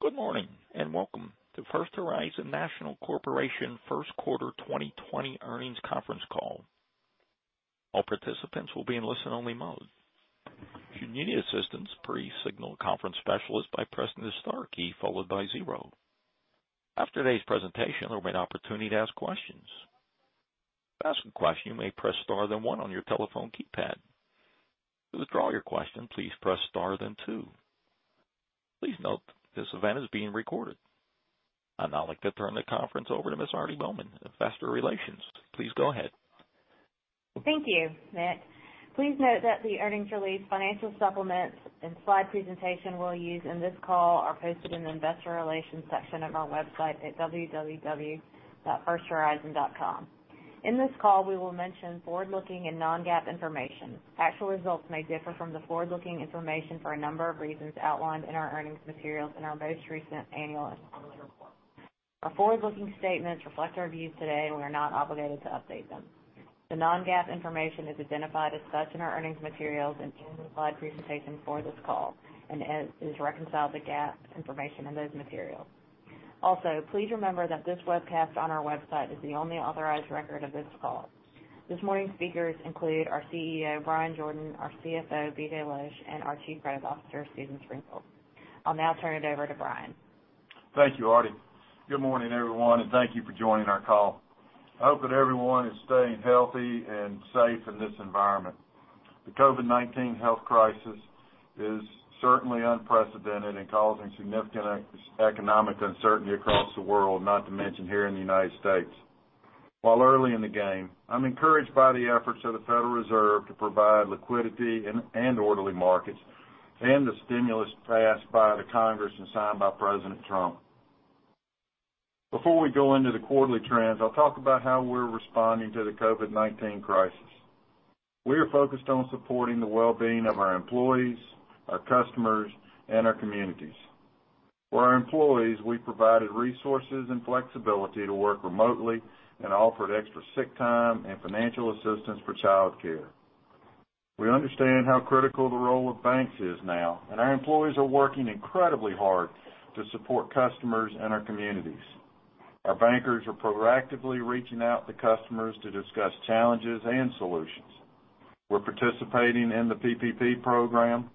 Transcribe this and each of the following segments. Good morning, and welcome to First Horizon National Corporation first quarter 2020 earnings conference call. All participants will be in listen only mode. If you need assistance, please signal a conference specialist by pressing the star key followed by zero. After today's presentation, there will be an opportunity to ask questions. To ask a question, you may press star, then one on your telephone keypad. To withdraw your question, please press star, then two. Please note, this event is being recorded. I'd now like to turn the conference over to Ms. Aarti Bowman, Investor Relations. Please go ahead. Thank you, Nick. Please note that the earnings release financial supplements and slide presentation we'll use in this call are posted in the investor relations section of our website at www.firsthorizon.com. In this call, we will mention forward-looking and non-GAAP information. Actual results may differ from the forward-looking information for a number of reasons outlined in our earnings materials and our most recent annual and quarterly report. Our forward-looking statements reflect our views today, and we are not obligated to update them. The non-GAAP information is identified as such in our earnings materials and in the slide presentation for this call and is reconciled to GAAP information in those materials. Please remember that this webcast on our website is the only authorized record of this call. This morning's speakers include our CEO, Bryan Jordan, our CFO, BJ Losch, and our Chief Credit Officer, Susan Springfield. I'll now turn it over to Bryan. Thank you, Aarti. Good morning, everyone, and thank you for joining our call. I hope that everyone is staying healthy and safe in this environment. The COVID-19 health crisis is certainly unprecedented and causing significant economic uncertainty across the world, not to mention here in the United States. While early in the game, I'm encouraged by the efforts of the Federal Reserve to provide liquidity and orderly markets and the stimulus passed by the Congress and signed by President Trump. Before we go into the quarterly trends, I'll talk about how we're responding to the COVID-19 crisis. We are focused on supporting the well-being of our employees, our customers, and our communities. For our employees, we provided resources and flexibility to work remotely and offered extra sick time and financial assistance for childcare. We understand how critical the role of banks is now, and our employees are working incredibly hard to support customers and our communities. Our bankers are proactively reaching out to customers to discuss challenges and solutions. We're participating in the PPP program.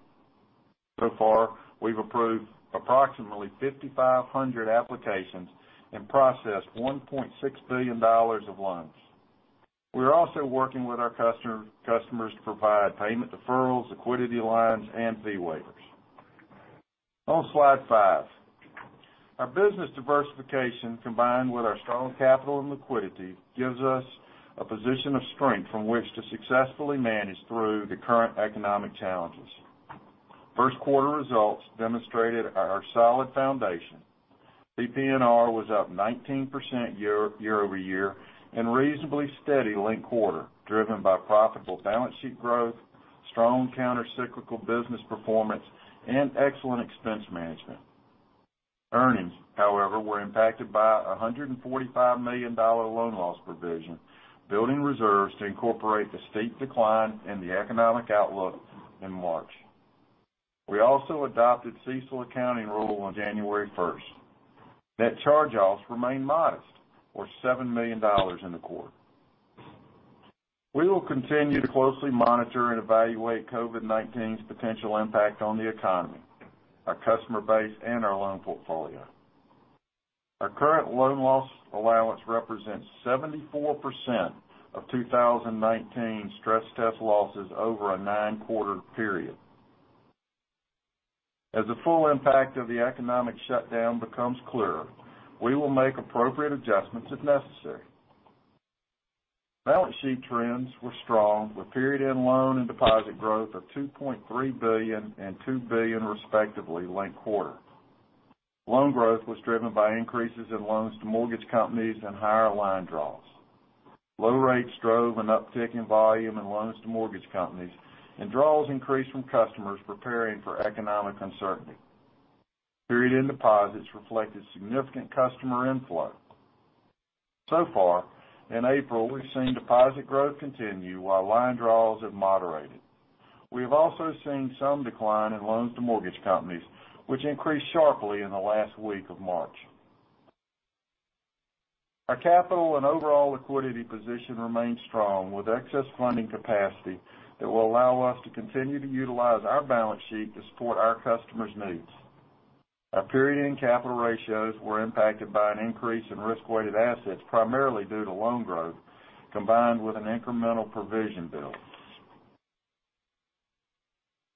So far, we've approved approximately 5,500 applications and processed $1.6 billion of loans. We're also working with our customers to provide payment deferrals, liquidity lines, and fee waivers. On slide five. Our business diversification, combined with our strong capital and liquidity, gives us a position of strength from which to successfully manage through the current economic challenges. First quarter results demonstrated our solid foundation. PPNR was up 19% year-over-year and reasonably steady linked quarter, driven by profitable balance sheet growth, strong countercyclical business performance, and excellent expense management. Earnings, however, were impacted by a $145 million loan loss provision, building reserves to incorporate the steep decline in the economic outlook in March. We also adopted CECL accounting rule on January 1st. Net charge-offs remained modest or $7 million in the quarter. We will continue to closely monitor and evaluate COVID-19 potential impact on the economy, our customer base, and our loan portfolio. Our current loan loss allowance represents 74% of 2019 stress test losses over a nine-quarter period. As the full impact of the economic shutdown becomes clearer, we will make appropriate adjustments if necessary. Balance sheet trends were strong, with period-end loan and deposit growth of $2.3 billion and $2 billion, respectively, linked quarter. Loan growth was driven by increases in loans to mortgage companies and higher line draws. Low rates drove an uptick in volume and loans to mortgage companies, and draws increased from customers preparing for economic uncertainty. Period end deposits reflected significant customer inflow. Far in April, we've seen deposit growth continue while line draws have moderated. We have also seen some decline in loans to mortgage companies, which increased sharply in the last week of March. Our capital and overall liquidity position remains strong, with excess funding capacity that will allow us to continue to utilize our balance sheet to support our customers' needs. Our period-end capital ratios were impacted by an increase in risk-weighted assets, primarily due to loan growth, combined with an incremental provision bill.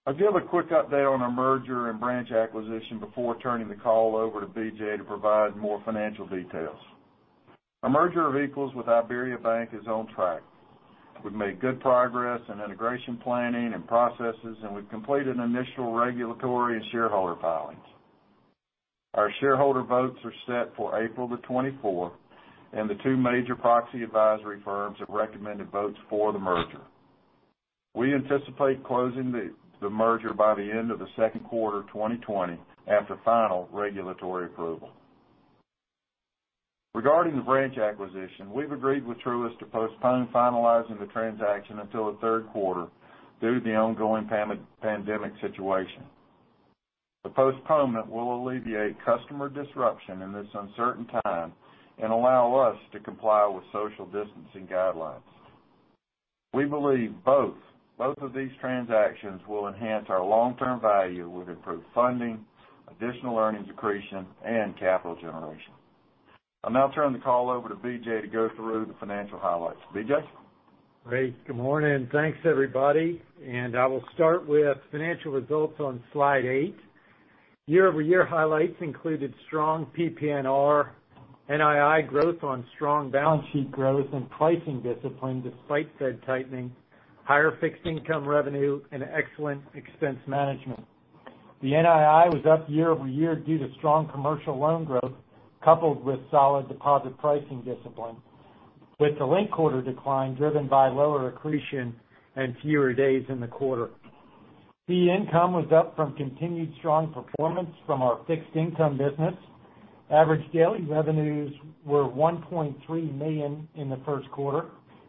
I'll give a quick update on our merger and branch acquisition before turning the call over to BJ to provide more financial details. Our merger of equals with IberiaBank is on track. We've made good progress in integration planning and processes, and we've completed initial regulatory and shareholder filings. Our shareholder votes are set for April the 24th, and the two major proxy advisory firms have recommended votes for the merger. We anticipate closing the merger by the end of the second quarter 2020 after final regulatory approval. Regarding the branch acquisition, we've agreed with Truist to postpone finalizing the transaction until the third quarter due to the ongoing pandemic situation. The postponement will alleviate customer disruption in this uncertain time and allow us to comply with social distancing guidelines. We believe both of these transactions will enhance our long-term value with improved funding, additional earnings accretion, and capital generation. I'll now turn the call over to BJ to go through the financial highlights. BJ? Great. Good morning. Thanks, everybody. I will start with financial results on slide eight. Year-over-year highlights included strong PPNR, NII growth on strong balance sheet growth and pricing discipline despite Fed tightening, higher fixed income revenue, and excellent expense management. The NII was up year-over-year due to strong commercial loan growth, coupled with solid deposit pricing discipline, with the linked quarter decline driven by lower accretion and fewer days in the quarter. Fee income was up from continued strong performance from our fixed income business. Average daily revenues were $1.3 million in the first quarter,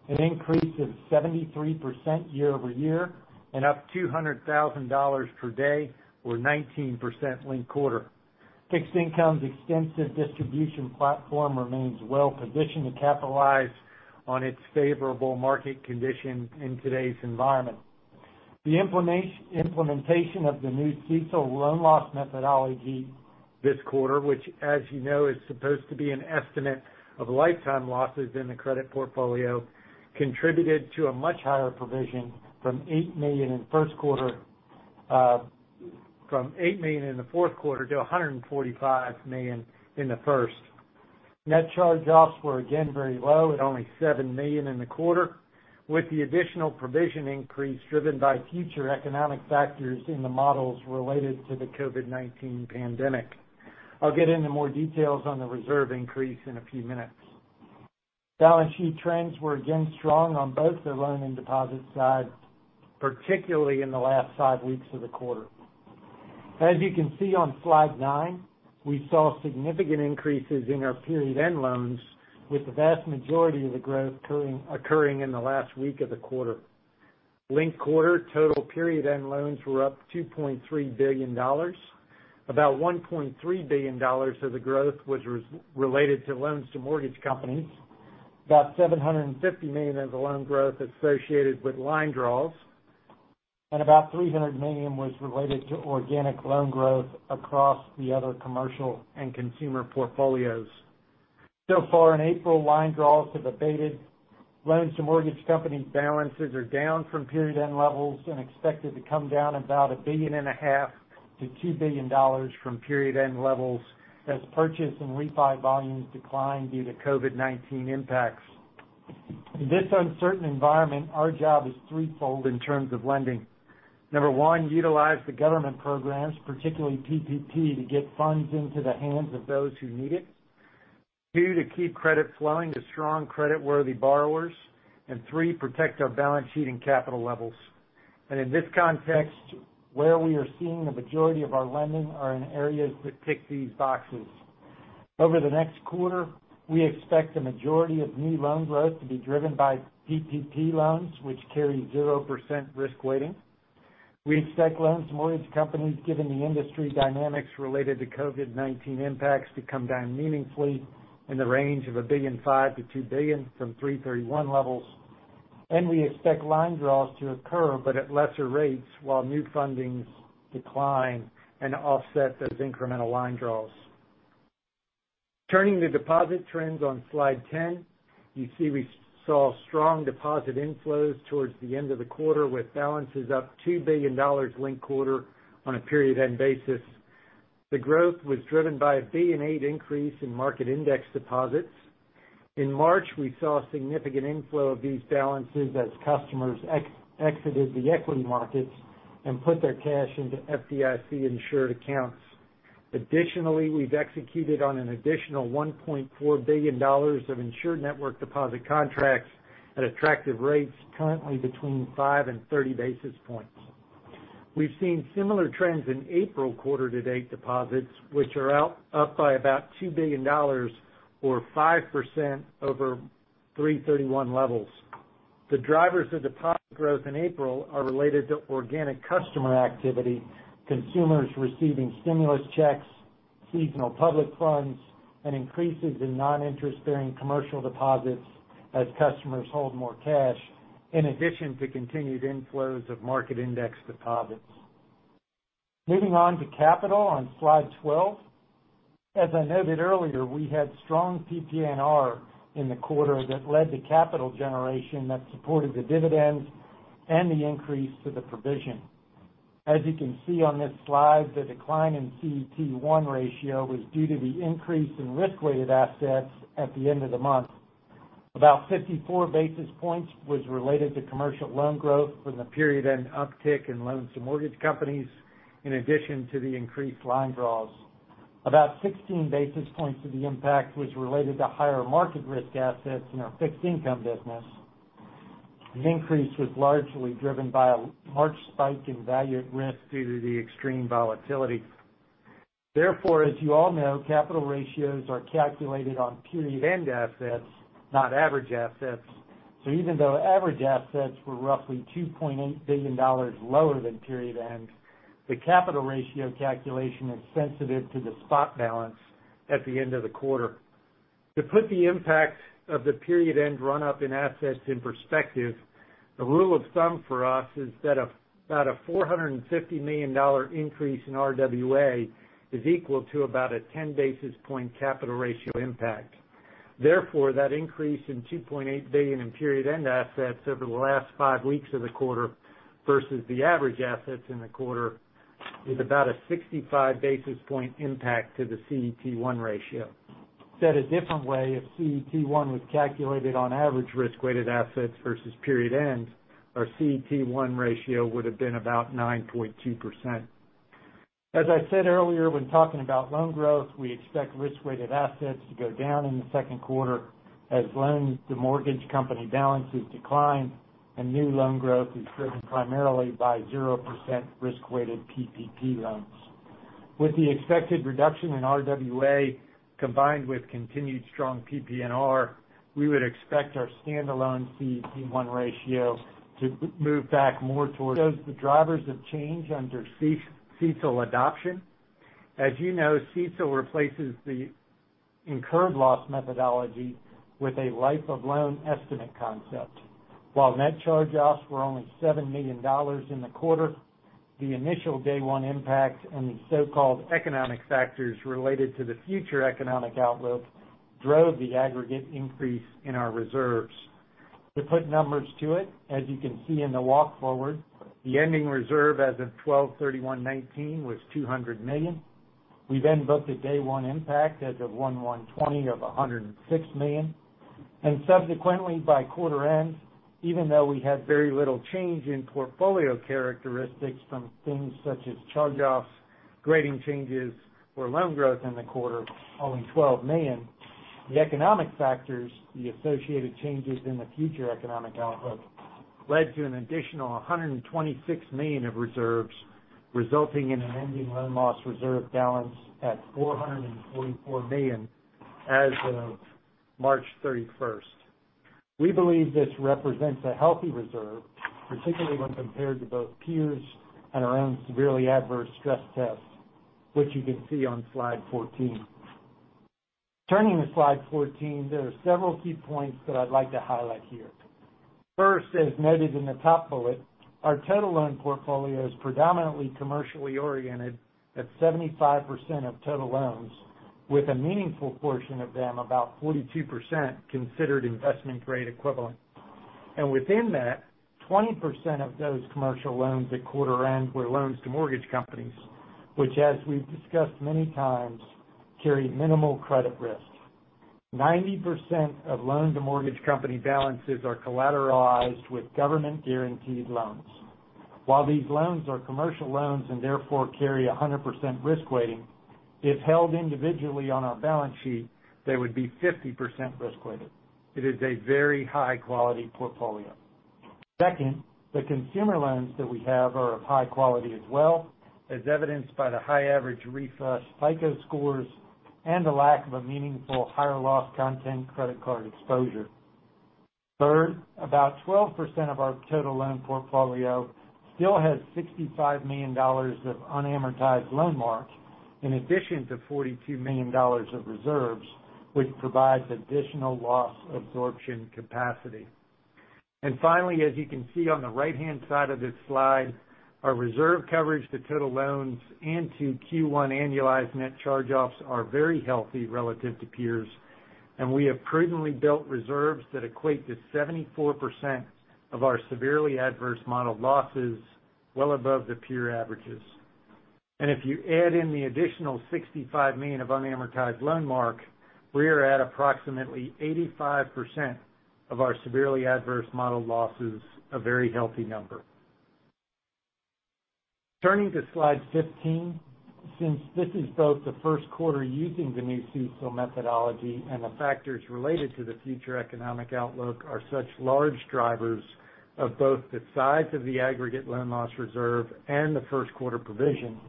an increase of 73% year-over-year and up $200,000 per day or 19% linked quarter. Fixed income's extensive distribution platform remains well-positioned to capitalize on its favorable market condition in today's environment. The implementation of the new CECL loan loss methodology this quarter, which as you know, is supposed to be an estimate of lifetime losses in the credit portfolio, contributed to a much higher provision from $8 million in the fourth quarter to $145 million in the first. Net charge-offs were again very low at only $7 million in the quarter, with the additional provision increase driven by future economic factors in the models related to the COVID-19 pandemic. I'll get into more details on the reserve increase in a few minutes. Balance sheet trends were again strong on both the loan and deposit sides, particularly in the last five weeks of the quarter. As you can see on slide nine, we saw significant increases in our period end loans, with the vast majority of the growth occurring in the last week of the quarter. Linked quarter total period end loans were up $2.3 billion. About $1.3 billion of the growth was related to loans to mortgage companies. About $750 million of the loan growth associated with line draws, and about $300 million was related to organic loan growth across the other commercial and consumer portfolios. Far in April, line draws have abated. Loans to mortgage company balances are down from period end levels and expected to come down about $1.5 billion-$2 billion from period end levels as purchase and refi volumes decline due to COVID-19 impacts. In this uncertain environment, our job is threefold in terms of lending. Number one, utilize the government programs, particularly PPP, to get funds into the hands of those who need it. Two, to keep credit flowing to strong credit-worthy borrowers. Three, protect our balance sheet and capital levels. In this context, where we are seeing the majority of our lending are in areas that tick these boxes. Over the next quarter, we expect the majority of new loan growth to be driven by PPP loans, which carry 0% risk weighting. We expect loans to mortgage companies, given the industry dynamics related to COVID-19 impacts, to come down meaningfully in the range of $1.5 billion-$2 billion from 331 levels. We expect line draws to occur, but at lesser rates while new fundings decline and offset those incremental line draws. Turning to deposit trends on slide 10, you see we saw strong deposit inflows towards the end of the quarter with balances up $2 billion linked quarter on a period end basis. The growth was driven by a $1.8 billion increase in market index deposits. In March, we saw a significant inflow of these balances as customers exited the equity markets and put their cash into FDIC-insured accounts. Additionally, we've executed on an additional $1.4 billion of insured network deposit contracts at attractive rates, currently between 5 and 30 basis points. We've seen similar trends in April quarter to date deposits, which are up by about $2 billion or 5% over 331 levels. The drivers of deposit growth in April are related to organic customer activity, consumers receiving stimulus checks, seasonal public funds, and increases in non-interest bearing commercial deposits as customers hold more cash, in addition to continued inflows of market index deposits. Moving on to capital on slide 12. As I noted earlier, we had strong PPNR in the quarter that led to capital generation that supported the dividends and the increase to the provision. As you can see on this slide, the decline in CET1 ratio was due to the increase in risk-weighted assets at the end of the month. About 54 basis points was related to commercial loan growth from the period end uptick in loans to mortgage companies, in addition to the increased line draws. About 16 basis points of the impact was related to higher market risk assets in our fixed income business. The increase was largely driven by a large spike in value at risk due to the extreme volatility. Therefore, as you all know, capital ratios are calculated on period-end assets, not average assets. Even though average assets were roughly $2.8 billion lower than period end, the capital ratio calculation is sensitive to the spot balance at the end of the quarter. To put the impact of the period-end run-up in assets in perspective, the rule of thumb for us is that about a $450 million increase in RWA is equal to about a 10 basis point capital ratio impact. That increase in $2.8 billion in period-end assets over the last five weeks of the quarter versus the average assets in the quarter is about a 65 basis point impact to the CET1 ratio. Said a different way, if CET1 was calculated on average risk-weighted assets versus period end, our CET1 ratio would have been about 9.2%. As I said earlier, when talking about loan growth, we expect risk-weighted assets to go down in the second quarter as loans to mortgage company balances decline and new loan growth is driven primarily by 0% risk-weighted PPP loans. With the expected reduction in RWA, combined with continued strong PPNR, we would expect our standalone CET1 ratio to move back more towards the drivers of change under CECL adoption. As you know, CECL replaces the incurred loss methodology with a life of loan estimate concept. While net charge-offs were only $7 million in the quarter, the initial day one impact and the so-called economic factors related to the future economic outlook drove the aggregate increase in our reserves. To put numbers to it, as you can see in the walk forward, the ending reserve as of 12/31/2019 was $200 million. We then booked a day one impact as of 1/1/2020 of $106 million. Subsequently, by quarter end, even though we had very little change in portfolio characteristics from things such as charge-offs, grading changes, or loan growth in the quarter, only $12 million, the economic factors, the associated changes in the future economic outlook led to an additional $126 million of reserves, resulting in an ending loan loss reserve balance at $444 million as of March 31st. We believe this represents a healthy reserve, particularly when compared to both peers and our own severely adverse stress tests, which you can see on slide 14. Turning to slide 14, there are several key points that I'd like to highlight here. First, as noted in the top bullet, our total loan portfolio is predominantly commercially oriented at 75% of total loans, with a meaningful portion of them, about 42%, considered investment-grade equivalent. Within that, 20% of those commercial loans at quarter end were loans to mortgage companies, which, as we've discussed many times, carry minimal credit risk. 90% of loans to mortgage company balances are collateralized with government-guaranteed loans. While these loans are commercial loans and therefore carry 100% risk weighting, if held individually on our balance sheet, they would be 50% risk weighted. It is a very high-quality portfolio. Second, the consumer loans that we have are of high quality as well, as evidenced by the high average refi FICO scores and the lack of a meaningful higher loss content credit card exposure. Third, about 12% of our total loan portfolio still has $65 million of unamortized loan mark, in addition to $42 million of reserves, which provides additional loss absorption capacity. Finally, as you can see on the right-hand side of this slide, our reserve coverage to total loans and to Q1 annualized net charge-offs are very healthy relative to peers, and we have prudently built reserves that equate to 74% of our severely adverse modeled losses, well above the peer averages. If you add in the additional $65 million of unamortized loan mark, we are at approximately 85% of our severely adverse modeled losses, a very healthy number. Turning to slide 15, since this is both the first quarter using the new CECL methodology and the factors related to the future economic outlook are such large drivers of both the size of the aggregate loan loss reserve and the first quarter provision,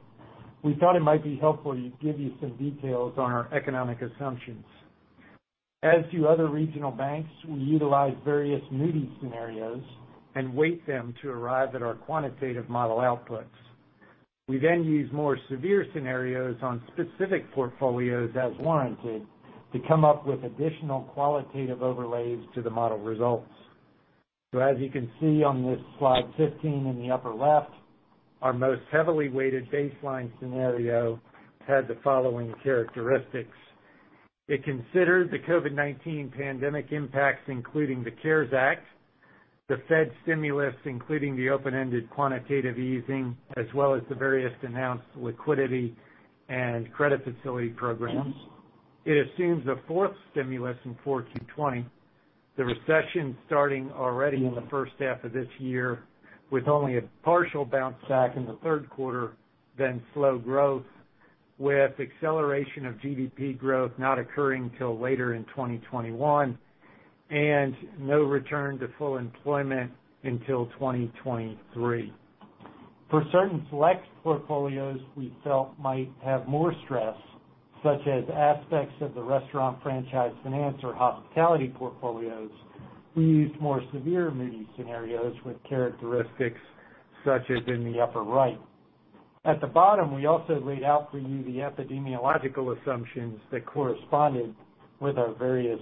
we thought it might be helpful to give you some details on our economic assumptions. As do other regional banks, we utilize various Moody's scenarios and weight them to arrive at our quantitative model outputs. We use more severe scenarios on specific portfolios as warranted to come up with additional qualitative overlays to the model results. As you can see on this slide 15 in the upper left, our most heavily weighted baseline scenario had the following characteristics. It considered the COVID-19 pandemic impacts, including the CARES Act, the Fed stimulus, including the open-ended quantitative easing, as well as the various announced liquidity and credit facility programs. It assumes a fourth stimulus in 4Q 2020, the recession starting already in the first half of this year, with only a partial bounce back in the third quarter, slow growth. With acceleration of GDP growth not occurring till later in 2021, and no return to full employment until 2023. For certain select portfolios we felt might have more stress, such as aspects of the restaurant franchise finance or hospitality portfolios, we used more severe mini scenarios with characteristics such as in the upper right. At the bottom, we also laid out for you the epidemiological assumptions that corresponded with our various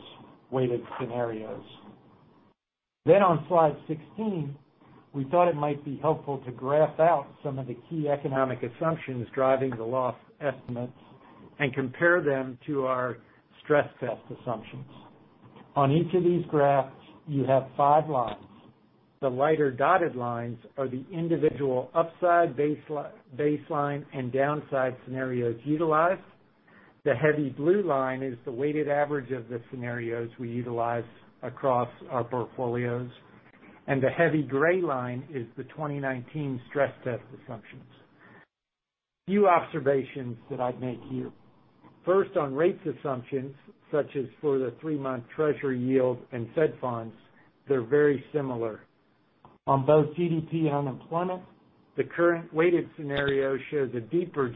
weighted scenarios. On slide 16, we thought it might be helpful to graph out some of the key economic assumptions driving the loss estimates and compare them to our stress test assumptions. On each of these graphs, you have five lines. The lighter dotted lines are the individual upside, baseline, and downside scenarios utilized. The heavy blue line is the weighted average of the scenarios we utilize across our portfolios, and the heavy gray line is the 2019 stress test assumptions. A few observations that I'd make here. First, on rates assumptions, such as for the three-month Treasury yield and Fed funds, they're very similar. On both GDP and unemployment, the current weighted scenario shows a deeper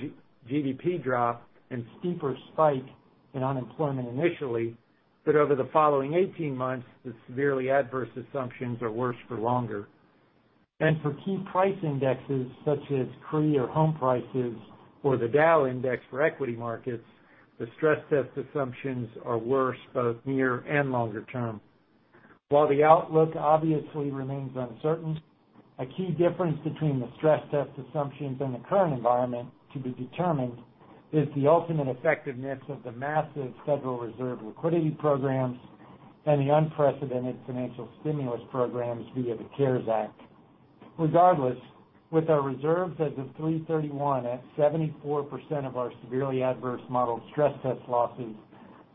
GDP drop and steeper spike in unemployment initially, but over the following 18 months, the severely adverse assumptions are worse for longer. For key price indexes such as CRE or home prices or the Dow index for equity markets, the stress test assumptions are worse both near and longer term. While the outlook obviously remains uncertain, a key difference between the stress test assumptions and the current environment to be determined is the ultimate effectiveness of the massive Federal Reserve liquidity programs and the unprecedented financial stimulus programs via the CARES Act. Regardless, with our reserves as of 3/31 at 74% of our severely adverse modeled stress test losses,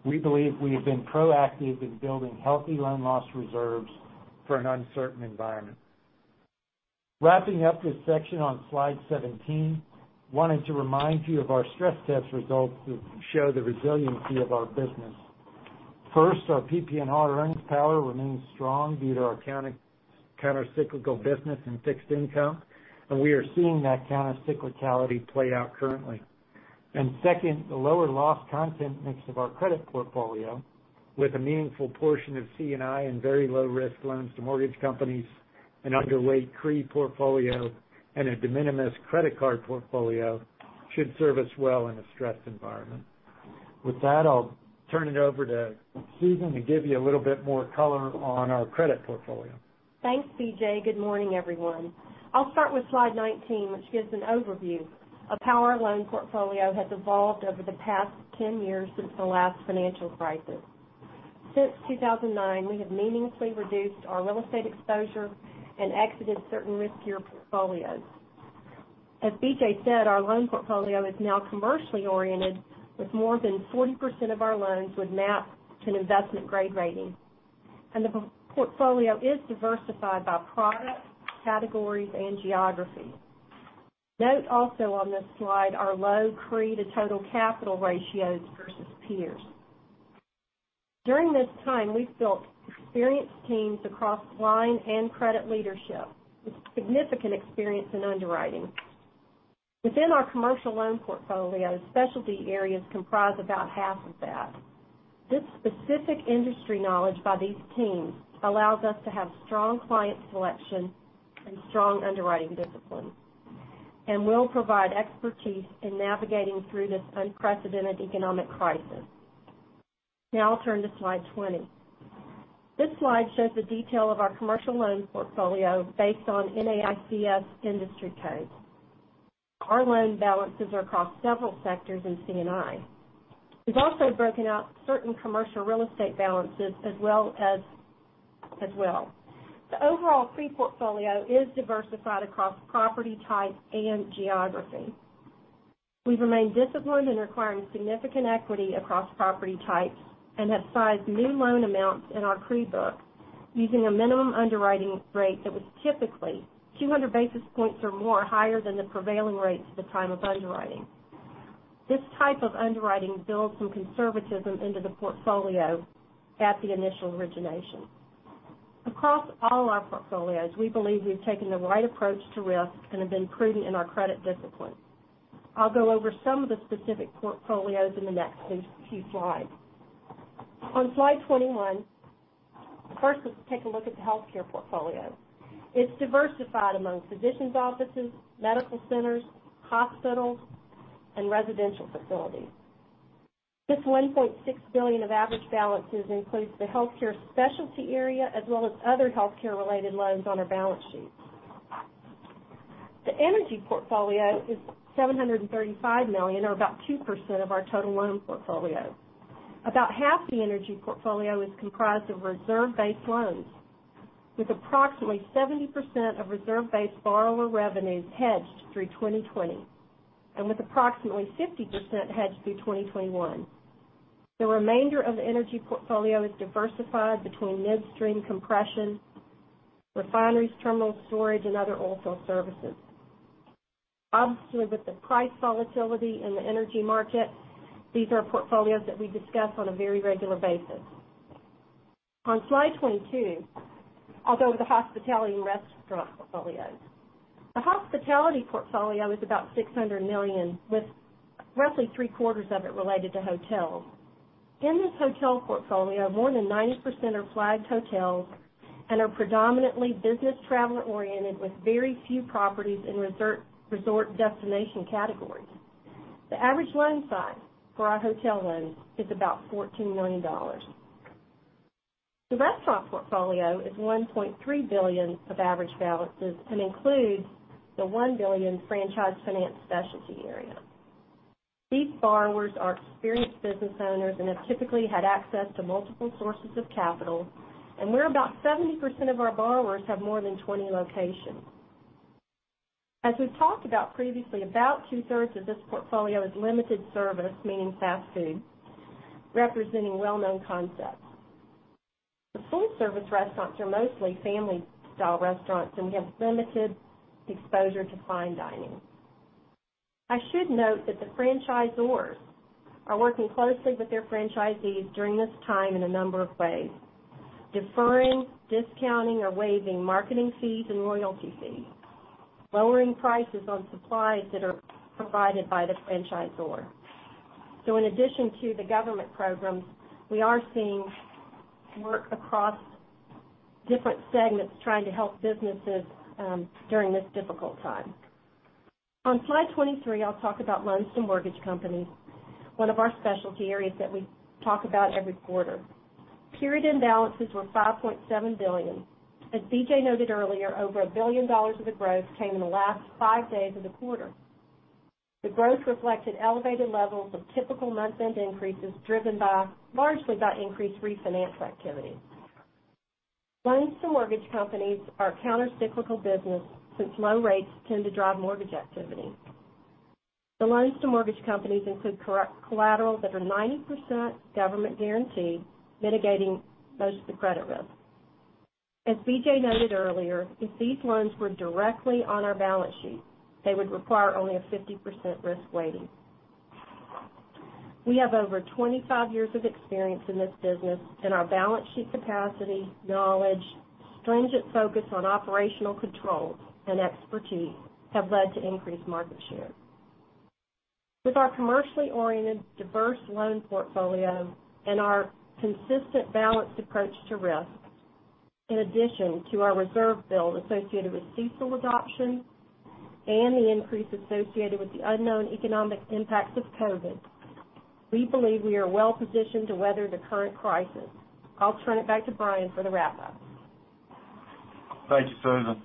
we believe we have been proactive in building healthy loan loss reserves for an uncertain environment. Wrapping up this section on Slide 17, wanted to remind you of our stress test results that show the resiliency of our business. First, our PPE and hard earnings power remains strong due to our countercyclical business and fixed income, and we are seeing that countercyclicality play out currently. Second, the lower loss content mix of our credit portfolio with a meaningful portion of C&I and very low-risk loans to mortgage companies, an underweight CRE portfolio, and a de minimis credit card portfolio should serve us well in a stressed environment. With that, I'll turn it over to Susan to give you a little bit more color on our credit portfolio. Thanks, BJ. Good morning, everyone. I'll start with slide 19, which gives an overview of how our loan portfolio has evolved over the past 10 years since the last financial crisis. Since 2009, we have meaningfully reduced our real estate exposure and exited certain riskier portfolios. As BJ said, our loan portfolio is now commercially oriented with more than 40% of our loans with maps to an investment-grade rating. The portfolio is diversified by product, categories, and geography. Note also on this slide our low CRE to total capital ratios versus peers. During this time, we've built experienced teams across line and credit leadership with significant experience in underwriting. Within our commercial loan portfolio, specialty areas comprise about half of that. This specific industry knowledge by these teams allows us to have strong client selection and strong underwriting discipline and will provide expertise in navigating through this unprecedented economic crisis. I'll turn to slide 20. This slide shows the detail of our commercial loan portfolio based on NAICS industry codes. Our loan balances are across several sectors in C&I. We've also broken out certain commercial real estate balances as well. The overall CRE portfolio is diversified across property type and geography. We've remained disciplined in requiring significant equity across property types and have sized new loan amounts in our CRE book using a minimum underwriting rate that was typically 200 basis points or more higher than the prevailing rates at the time of underwriting. This type of underwriting builds some conservatism into the portfolio at the initial origination. Across all our portfolios, we believe we've taken the right approach to risk and have been prudent in our credit discipline. I'll go over some of the specific portfolios in the next few slides. On slide 21, first, let's take a look at the healthcare portfolio. It's diversified among physicians' offices, medical centers, hospitals, and residential facilities. This $1.6 billion of average balances includes the healthcare specialty area, as well as other healthcare-related loans on our balance sheet. The energy portfolio is $735 million or about 2% of our total loan portfolio. About half the energy portfolio is comprised of reserve-based loans, with approximately 70% of reserve-based borrower revenues hedged through 2020, and with approximately 50% hedged through 2021. The remainder of the energy portfolio is diversified between midstream compression-Refineries, terminal storage, and other oilfield services. Obviously, with the price volatility in the energy market, these are portfolios that we discuss on a very regular basis. On slide 22, I'll go over the hospitality and restaurant portfolios. The hospitality portfolio is about $600 million, with roughly three-quarters of it related to hotels. In this hotel portfolio, more than 90% are flagged hotels and are predominantly business traveler oriented with very few properties in resort destination categories. The average loan size for our hotel loans is about $14 million. The restaurant portfolio is $1.3 billion of average balances and includes the $1 billion franchise finance specialty area. These borrowers are experienced business owners and have typically had access to multiple sources of capital, and where about 70% of our borrowers have more than 20 locations. As we've talked about previously, about two-thirds of this portfolio is limited service, meaning fast food, representing well-known concepts. The food service restaurants are mostly family-style restaurants, and we have limited exposure to fine dining. I should note that the franchisors are working closely with their franchisees during this time in a number of ways: deferring, discounting, or waiving marketing fees and royalty fees, lowering prices on supplies that are provided by the franchisor. In addition to the government programs, we are seeing work across different segments trying to help businesses during this difficult time. On slide 23, I'll talk about loans to mortgage companies, one of our specialty areas that we talk about every quarter. Period-end balances were $5.7 billion. As BJ noted earlier, over $1 billion of the growth came in the last five days of the quarter. The growth reflected elevated levels of typical month-end increases, driven largely by increased refinance activity. Loans to mortgage companies are counter-cyclical business, since low rates tend to drive mortgage activity. The loans to mortgage companies include collaterals that are 90% government guaranteed, mitigating most of the credit risk. As BJ noted earlier, if these loans were directly on our balance sheet, they would require only a 50% risk weighting. We have over 25 years of experience in this business, and our balance sheet capacity, knowledge, stringent focus on operational controls, and expertise have led to increased market share. With our commercially oriented, diverse loan portfolio and our consistent balanced approach to risk, in addition to our reserve build associated with CECL adoption and the increase associated with the unknown economic impacts of COVID, we believe we are well positioned to weather the current crisis. I'll turn it back to Bryan for the wrap-up. Thank you, Susan.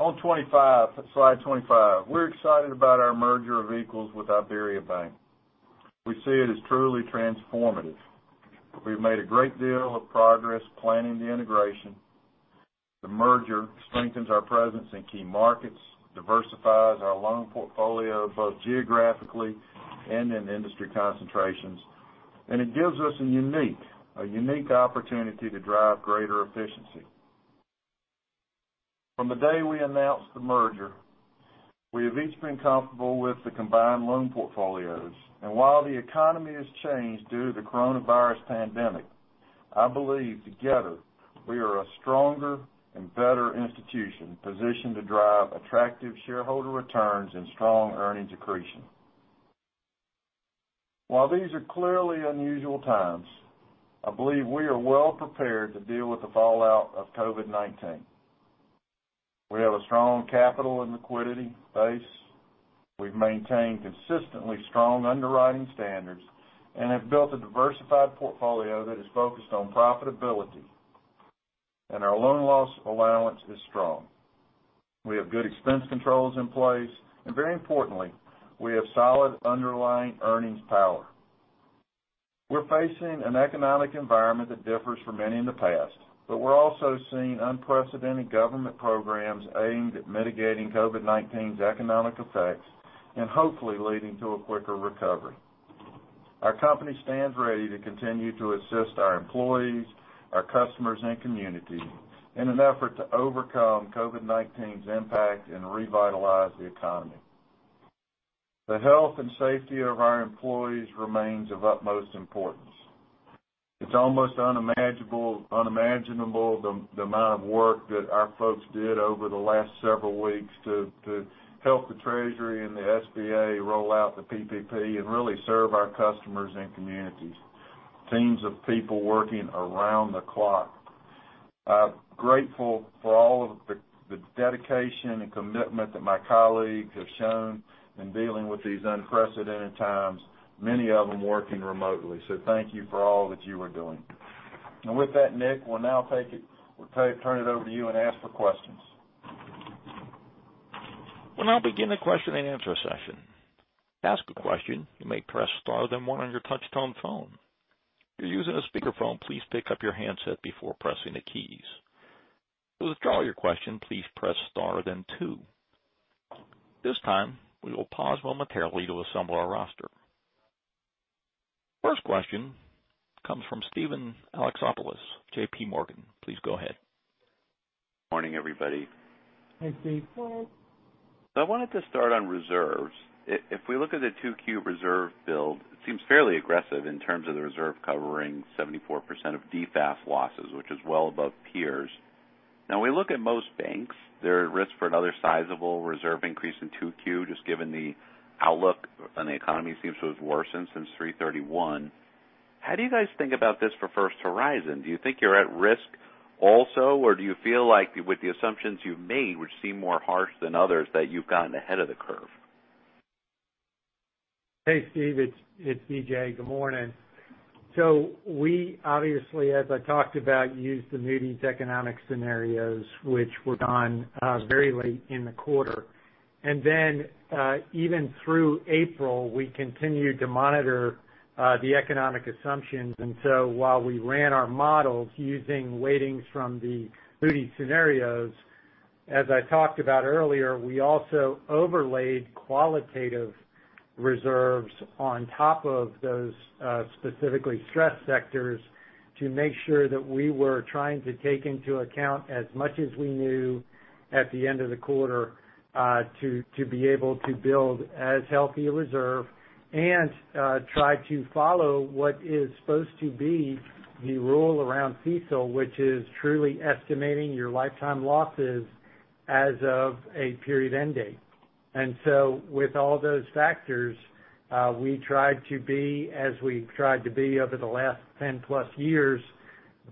On slide 25, we're excited about our merger of equals with IberiaBank. We see it as truly transformative. We've made a great deal of progress planning the integration. The merger strengthens our presence in key markets, diversifies our loan portfolio both geographically and in industry concentrations, and it gives us a unique opportunity to drive greater efficiency. From the day we announced the merger, we have each been comfortable with the combined loan portfolios. While the economy has changed due to the coronavirus pandemic, I believe together we are a stronger and better institution, positioned to drive attractive shareholder returns and strong earnings accretion. While these are clearly unusual times, I believe we are well prepared to deal with the fallout of COVID-19. We have a strong capital and liquidity base. We've maintained consistently strong underwriting standards and have built a diversified portfolio that is focused on profitability, and our loan loss allowance is strong. We have good expense controls in place, and very importantly, we have solid underlying earnings power. We're facing an economic environment that differs from any in the past, but we're also seeing unprecedented government programs aimed at mitigating COVID-19's economic effects and hopefully leading to a quicker recovery. Our company stands ready to continue to assist our employees, our customers, and community in an effort to overcome COVID-19's impact and revitalize the economy. The health and safety of our employees remains of utmost importance. It's almost unimaginable the amount of work that our folks did over the last several weeks to help the Treasury and the SBA roll out the PPP and really serve our customers and communities. Teams of people working around the clock. I'm grateful for all of the dedication and commitment that my colleagues have shown in dealing with these unprecedented times, many of them working remotely. Thank you for all that you are doing. With that, Nick, we'll now turn it over to you and ask for questions. We'll now begin the question-and-answer session. To ask a question, you may press star then one on your touchtone phone. If you're using a speakerphone, please pick up your handset before pressing the keys. To withdraw your question, please press star then two. At this time, we will pause momentarily to assemble our roster. First question comes from Steven Alexopoulos, JPMorgan. Please go ahead. Morning, everybody. Hey, Steve. I wanted to start on reserves. If we look at the 2Q reserve build, it seems fairly aggressive in terms of the reserve covering 74% of DFAST losses, which is well above peers. We look at most banks, they're at risk for another sizable reserve increase in 2Q, just given the outlook on the economy seems to have worsened since 3/31. How do you guys think about this for First Horizon? Do you think you're at risk also, or do you feel like with the assumptions you've made, which seem more harsh than others, that you've gotten ahead of the curve? Hey, Steve, it's BJ. Good morning. We obviously, as I talked about, used the Moody's economic scenarios, which were done very late in the quarter. Even through April, we continued to monitor the economic assumptions. While we ran our models using weightings from the Moody scenarios, as I talked about earlier, we also overlaid qualitative reserves on top of those specifically stressed sectors to make sure that we were trying to take into account as much as we knew at the end of the quarter to be able to build as healthy a reserve and try to follow what is supposed to be the rule around CECL, which is truly estimating your lifetime losses as of a period end date. With all those factors, we tried to be, as we've tried to be over the last 10+ years,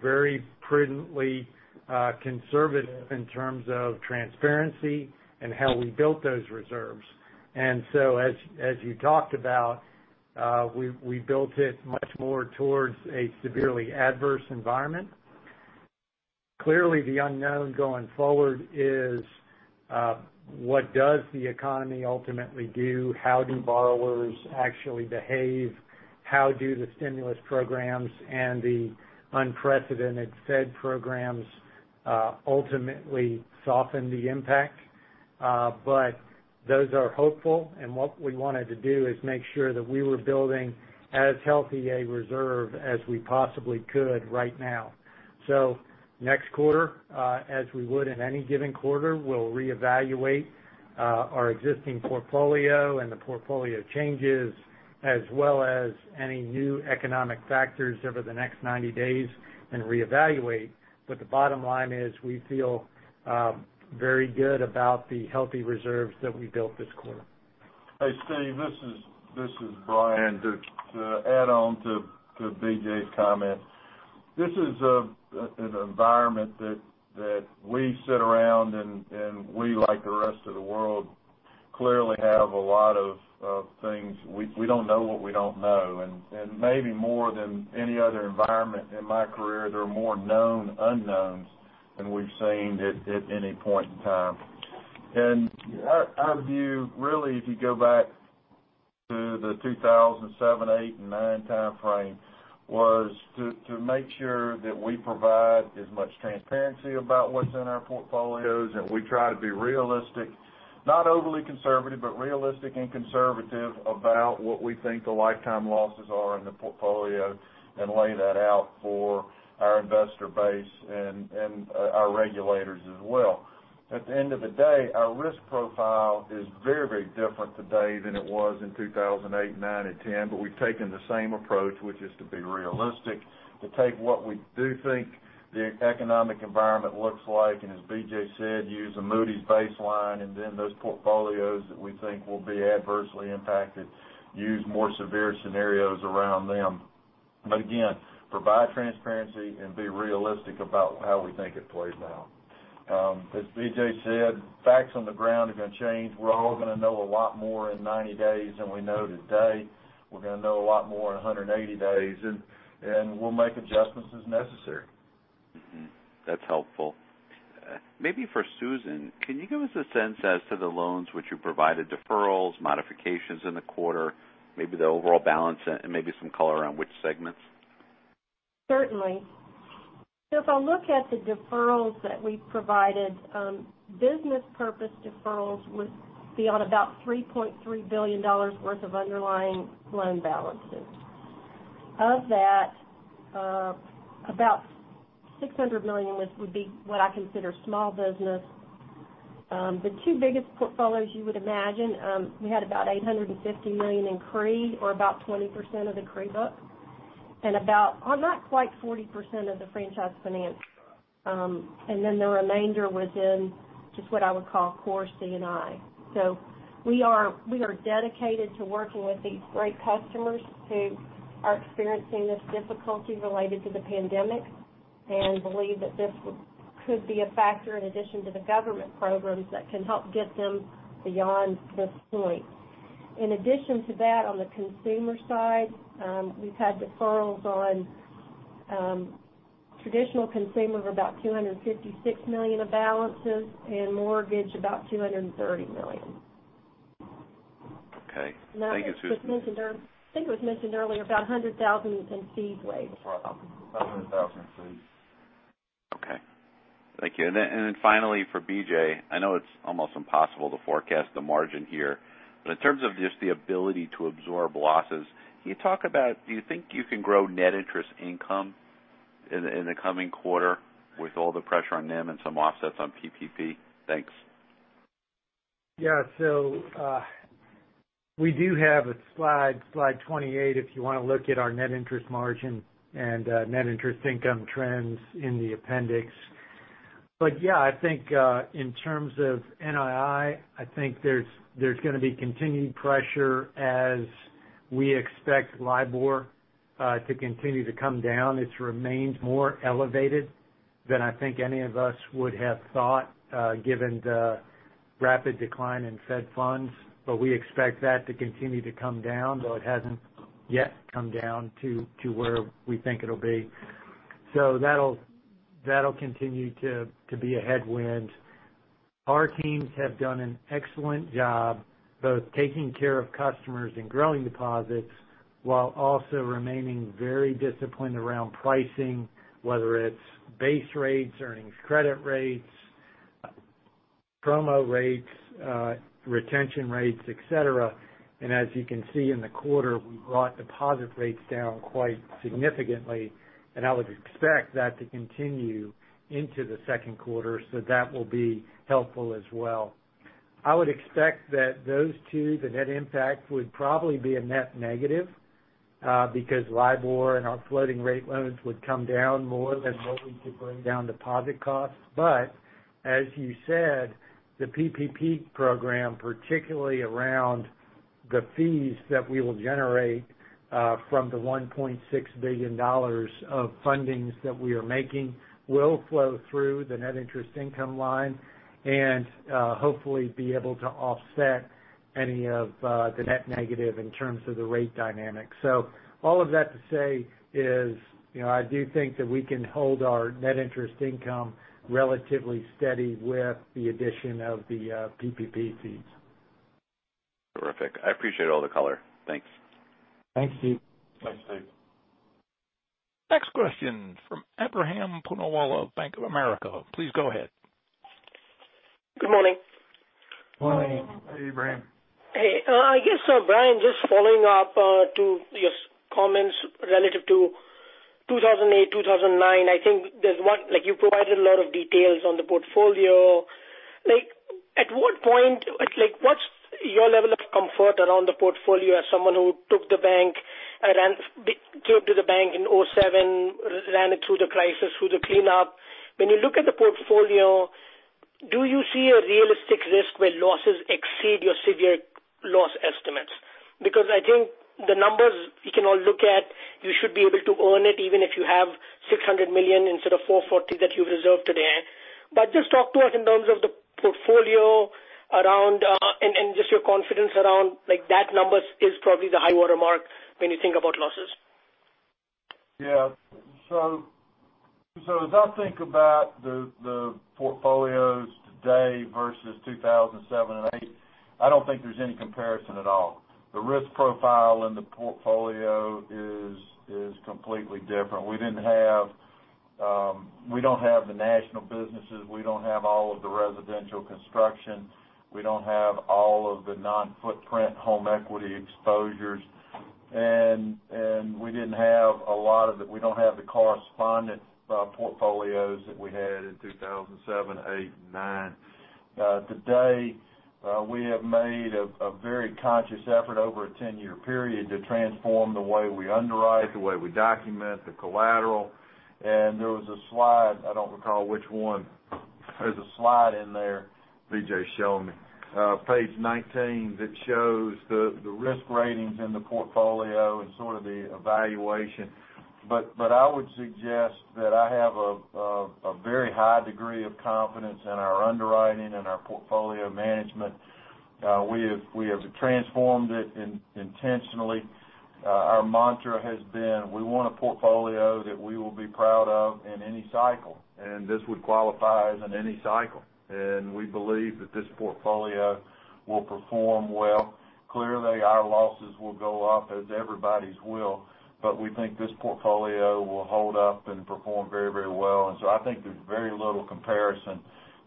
very prudently conservative in terms of transparency and how we built those reserves. As you talked about, we built it much more towards a severely adverse environment. Clearly, the unknown going forward is what does the economy ultimately do? How do borrowers actually behave? How do the stimulus programs and the unprecedented Fed programs ultimately soften the impact? Those are hopeful, and what we wanted to do is make sure that we were building as healthy a reserve as we possibly could right now. Next quarter, as we would in any given quarter, we'll reevaluate our existing portfolio and the portfolio changes as well as any new economic factors over the next 90 days and reevaluate. The bottom line is we feel very good about the healthy reserves that we built this quarter. Hey, Steve, this is Bryan. To add on to BJ's comment, this is an environment that we sit around and we, like the rest of the world. We don't know what we don't know. Maybe more than any other environment in my career, there are more known unknowns than we've seen at any point in time. Our view really, if you go back to the 2007, 2008, and 2009 timeframe, was to make sure that we provide as much transparency about what's in our portfolios and we try to be realistic, not overly conservative, but realistic and conservative about what we think the lifetime losses are in the portfolio and lay that out for our investor base and our regulators as well. At the end of the day, our risk profile is very different today than it was in 2008, 2009, and 2010. We've taken the same approach, which is to be realistic, to take what we do think the economic environment looks like, and as BJ said, use a Moody's baseline, and then those portfolios that we think will be adversely impacted, use more severe scenarios around them. Again, provide transparency and be realistic about how we think it plays out. As BJ said, facts on the ground are going to change. We're all going to know a lot more in 90 days than we know today. We're going to know a lot more in 180 days, and we'll make adjustments as necessary. That's helpful. Maybe for Susan, can you give us a sense as to the loans which you provided deferrals, modifications in the quarter, maybe the overall balance and maybe some color around which segments? Certainly. If I look at the deferrals that we provided, business purpose deferrals would be on about $3.3 billion worth of underlying loan balances. Of that, about $600 million would be what I consider small business. The two biggest portfolios you would imagine, we had about $850 million in CRE or about 20% of the CRE book and about, or not quite 40% of the franchise finance. The remainder was in just what I would call core C&I. We are dedicated to working with these great customers who are experiencing this difficulty related to the pandemic and believe that this could be a factor in addition to the government programs that can help get them beyond this point. In addition to that, on the consumer side, we've had deferrals on traditional consumer of about $256 million of balances and mortgage, about $230 million. Okay. Thank you, Susan. I think it was mentioned earlier, about $100,000 in fee waivers. $100,000 in seed. Thank you. Finally for BJ, I know it's almost impossible to forecast the margin here, but in terms of just the ability to absorb losses, can you talk about, do you think you can grow net interest income in the coming quarter with all the pressure on NIM and some offsets on PPP? Thanks. We do have a slide 28, if you want to look at our net interest margin and net interest income trends in the appendix. I think, in terms of NII, I think there's going to be continued pressure as we expect LIBOR to continue to come down. It's remained more elevated than I think any of us would have thought, given the rapid decline in Fed funds. We expect that to continue to come down, though it hasn't yet come down to where we think it'll be. That'll continue to be a headwind. Our teams have done an excellent job both taking care of customers and growing deposits, while also remaining very disciplined around pricing, whether it's base rates, earnings, credit rates, promo rates, retention rates, et cetera. As you can see in the quarter, we brought deposit rates down quite significantly, and I would expect that to continue into the second quarter. That will be helpful as well. I would expect that those two, the net impact, would probably be a net negative, because LIBOR and our floating rate loans would come down more than what we could bring down deposit costs. As you said, the PPP program, particularly around the fees that we will generate from the $1.6 billion of fundings that we are making, will flow through the net interest income line and, hopefully, be able to offset any of the net negative in terms of the rate dynamic. All of that to say is I do think that we can hold our net interest income relatively steady with the addition of the PPP fees. Terrific. I appreciate all the color. Thanks. Thanks, Steven. Thanks, Steve. Next question from Ebrahim Poonawala, Bank of America. Please go ahead. Good morning. Morning. Hey, Ebrahim. Hey. I guess, Bryan, just following up to your comments relative to 2008, 2009. I think you provided a lot of details on the portfolio. What's your level of comfort around the portfolio as someone who took the bank and came to the bank in 2007, ran it through the crisis, through the cleanup. When you look at the portfolio, do you see a realistic risk where losses exceed your severe loss estimates? I think the numbers we can all look at, you should be able to earn it, even if you have $600 million instead of $440 that you've reserved today. Just talk to us in terms of the portfolio around, and just your confidence around that numbers is probably the high watermark when you think about losses. Yeah. As I think about the portfolios today versus 2007 and 2008, I don't think there's any comparison at all. The risk profile in the portfolio is completely different. We don't have the national businesses. We don't have all of the residential construction. We don't have all of the non-footprint home equity exposures. We don't have the correspondent portfolios that we had in 2007, 2008 and 2009. Today, we have made a very conscious effort over a 10-year period to transform the way we underwrite, the way we document the collateral. There was a slide, I don't recall which one. There's a slide in there, BJ, show me, page 19, that shows the risk ratings in the portfolio and sort of the evaluation. I would suggest that I have a very high degree of confidence in our underwriting and our portfolio management. We have transformed it intentionally. Our mantra has been, we want a portfolio that we will be proud of in any cycle, and this would qualify as in any cycle. We believe that this portfolio will perform well. Clearly, our losses will go up, as everybody's will. We think this portfolio will hold up and perform very well. I think there's very little comparison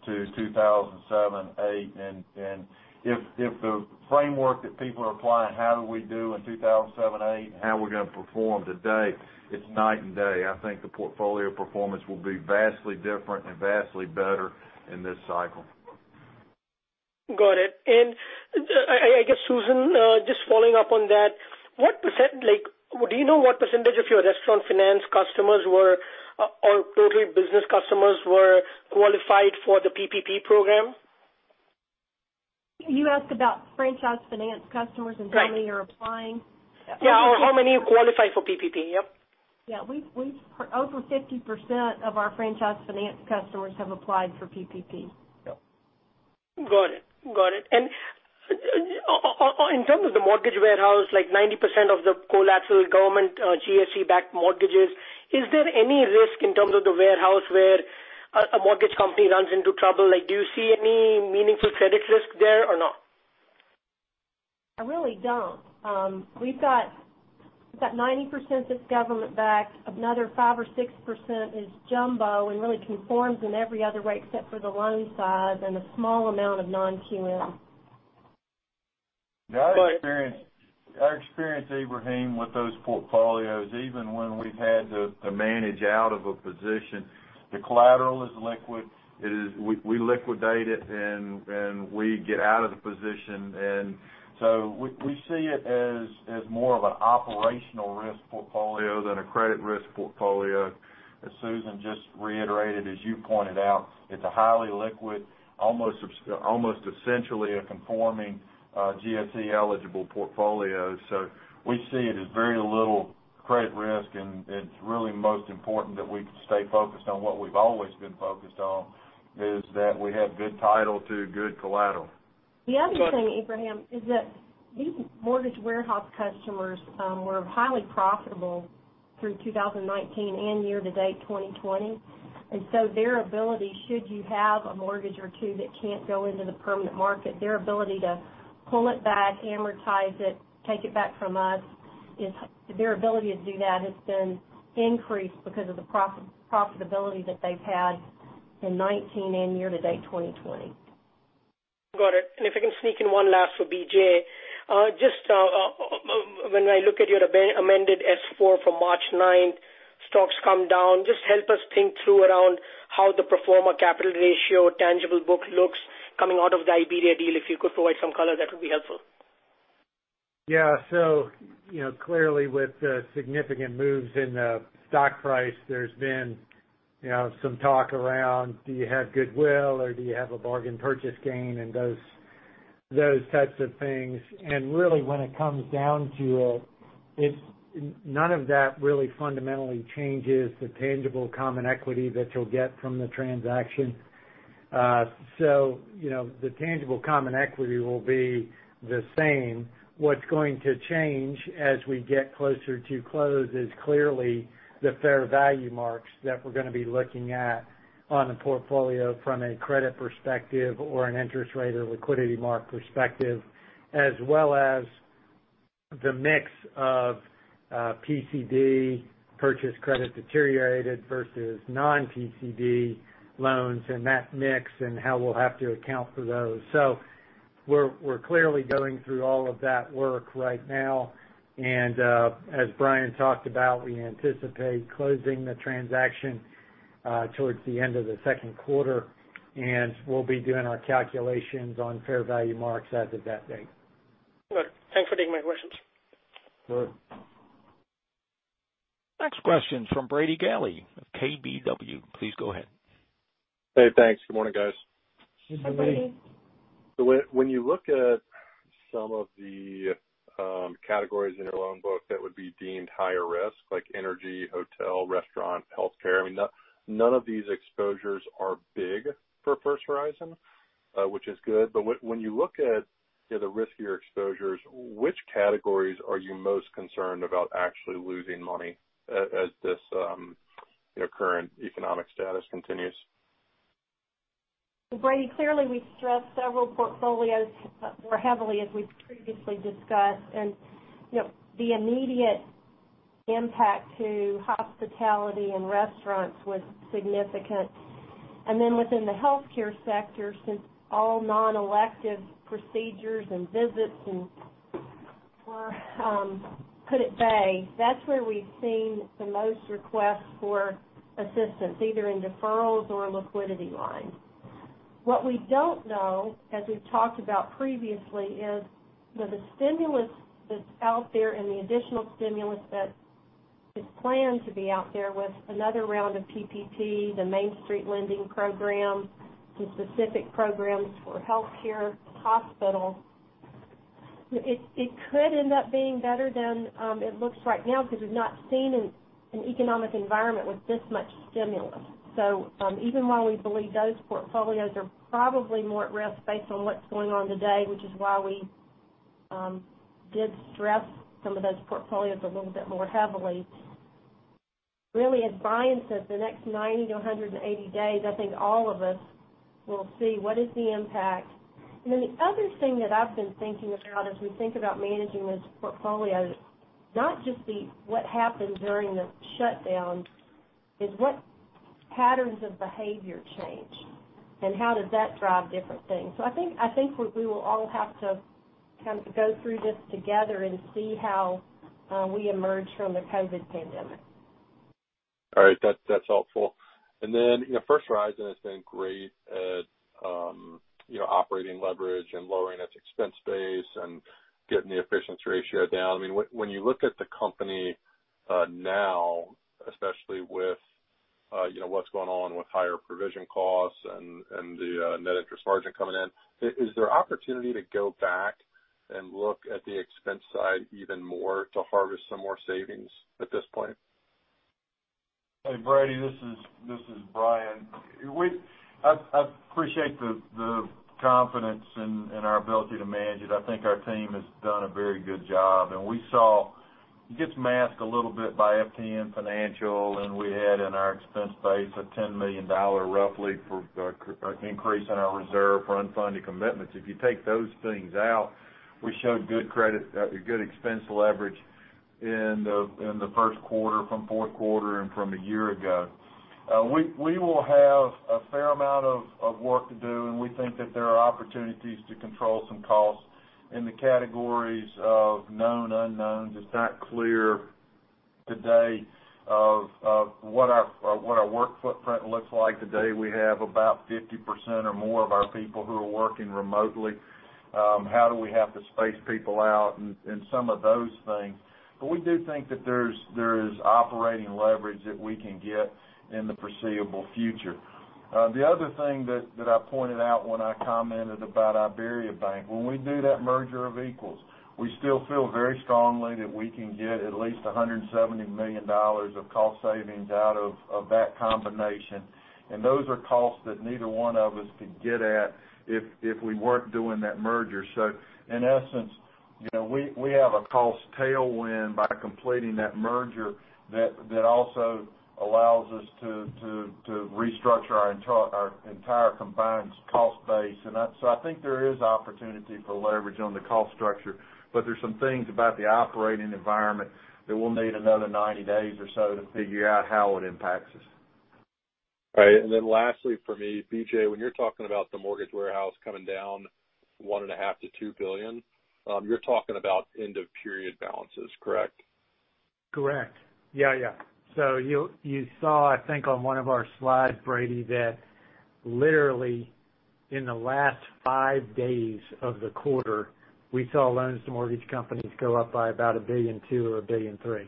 to 2007, 2008. If the framework that people are applying, how do we do in 2007, 2008, and how we're going to perform today, it's night and day. I think the portfolio performance will be vastly different and vastly better in this cycle. Got it. I guess, Susan, just following up on that, do you know what percentage of your restaurant finance customers were, or total business customers were qualified for the PPP program? You asked about franchise finance customers. Right How many are applying? Yeah. How many qualify for PPP? Yep. Yeah. Over 50% of our franchise finance customers have applied for PPP. Got it. In terms of the mortgage warehouse, like 90% of the collateral government GSE backed mortgages, is there any risk in terms of the warehouse where a mortgage company runs into trouble? Do you see any meaningful credit risk there or not? I really don't. We've got 90% that's government-backed, another 5% or 6% is jumbo and really conforms in every other way except for the loan size, and a small amount of non-QM. Our experience, Ebrahim, with those portfolios, even when we've had to manage out of a position, the collateral is liquid. We liquidate it and we get out of the position. We see it as more of an operational risk portfolio than a credit risk portfolio. As Susan just reiterated, as you pointed out, it's a highly liquid, almost essentially a conforming GSE-eligible portfolio. We see it as very little credit risk, and it's really most important that we stay focused on what we've always been focused on, is that we have good title to good collateral. The other thing, Ebrahim, is that these mortgage warehouse customers were highly profitable through 2019 and year-to-date 2020. Their ability, should you have a mortgage or two that can't go into the permanent market, their ability to pull it back, amortize it, take it back from us, their ability to do that has been increased because of the profitability that they've had in 2019 and year-to-date 2020. Got it. If I can sneak in one last for BJ. When I look at your amended S4 from March 9th, stocks come down. Help us think through around how the pro forma capital ratio tangible book looks coming out of the IBERIA deal. If you could provide some color, that would be helpful. Clearly with the significant moves in the stock price, there's been some talk around do you have goodwill or do you have a bargain purchase gain and those types of things. Really when it comes down to it, none of that really fundamentally changes the tangible common equity that you'll get from the transaction. The tangible common equity will be the same. What's going to change as we get closer to close is clearly the fair value marks that we're going to be looking at on the portfolio from a credit perspective or an interest rate or liquidity mark perspective, as well as the mix of PCD, purchase credit deteriorated versus non-PCD loans and that mix and how we'll have to account for those. We're clearly going through all of that work right now, and as Bryan talked about, we anticipate closing the transaction towards the end of the second quarter, and we'll be doing our calculations on fair value marks as of that date. Good. Thanks for taking my questions. Sure. Next question's from Brady Gailey of KBW. Please go ahead. Hey, thanks. Good morning, guys. Hey, Brady. Good morning. When you look at some of the categories in your loan book that would be deemed higher risk, like energy, hotel, restaurant, healthcare, none of these exposures are big for First Horizon, which is good. When you look at the riskier exposures, which categories are you most concerned about actually losing money as this current economic status continues? Brady, clearly we've stressed several portfolios more heavily as we've previously discussed. The immediate impact to hospitality and restaurants was significant. Within the healthcare sector, since all non-elective procedures and visits were put at bay, that's where we've seen the most requests for assistance, either in deferrals or liquidity lines. What we don't know, as we've talked about previously, is with the stimulus that's out there and the additional stimulus that is planned to be out there with another round of PPP, the Main Street Lending Program, some specific programs for healthcare, hospitals, it could end up being better than it looks right now because we've not seen an economic environment with this much stimulus. Even while we believe those portfolios are probably more at risk based on what's going on today, which is why we did stress some of those portfolios a little bit more heavily, really, as Bryan says, the next 90-180 days, I think all of us will see what is the impact. The other thing that I've been thinking about as we think about managing these portfolios, not just what happened during the shutdown, is what patterns of behavior change, and how does that drive different things? I think we will all have to kind of go through this together and see how we emerge from the COVID pandemic. All right. That's helpful. First Horizon has been great at operating leverage and lowering its expense base and getting the efficiency ratio down. When you look at the company now, especially with what's going on with higher provision costs and the net interest margin coming in, is there opportunity to go back and look at the expense side even more to harvest some more savings at this point? Hey, Brady, this is Bryan. I appreciate the confidence in our ability to manage it. I think our team has done a very good job, and we sawIt gets masked a little bit by FHN Financial, and we had in our expense base a $10 million roughly increase in our reserve for unfunded commitments. If you take those things out, we showed good expense leverage in the first quarter from fourth quarter and from a year ago. We will have a fair amount of work to do, and we think that there are opportunities to control some costs in the categories of known unknowns. It's not clear today of what our work footprint looks like. Today, we have about 50% or more of our people who are working remotely. How do we have to space people out and some of those things? We do think that there is operating leverage that we can get in the foreseeable future. The other thing that I pointed out when I commented about IberiaBank, when we do that merger of equals, we still feel very strongly that we can get at least $170 million of cost savings out of that combination. Those are costs that neither one of us could get at if we weren't doing that merger. In essence, we have a cost tailwind by completing that merger that also allows us to restructure our entire combined cost base. I think there is opportunity for leverage on the cost structure, but there's some things about the operating environment that we'll need another 90 days or so to figure out how it impacts us. All right. Lastly for me, BJ, when you're talking about the mortgage warehouse coming down $1.5 billion-$2 billion, you're talking about end-of-period balances, correct? Correct. Yeah. You saw, I think on one of our slides, Brady, that literally in the last five days of the quarter, we saw loans to mortgage companies go up by about $1.2 billion or $1.3 billion.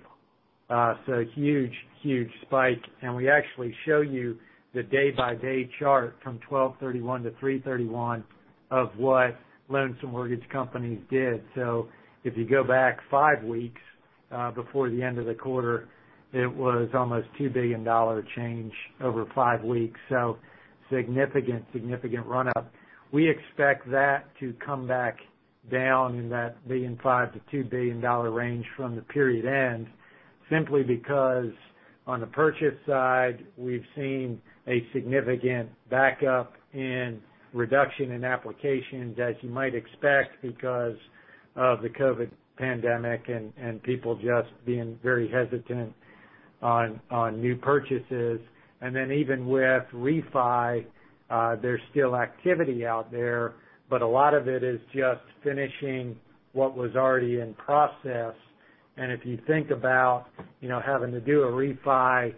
A huge spike. We actually show you the day-by-day chart from 12/31 to 3/31 of what loans to mortgage companies did. If you go back five weeks, before the end of the quarter, it was almost $2 billion change over five weeks. Significant run-up. We expect that to come back down in that $1.5 billion-$2 billion range from the period end, simply because on the purchase side, we've seen a significant backup in reduction in applications, as you might expect because of the COVID pandemic and people just being very hesitant on new purchases. Even with refi, there's still activity out there, but a lot of it is just finishing what was already in process. If you think about having to do a refi,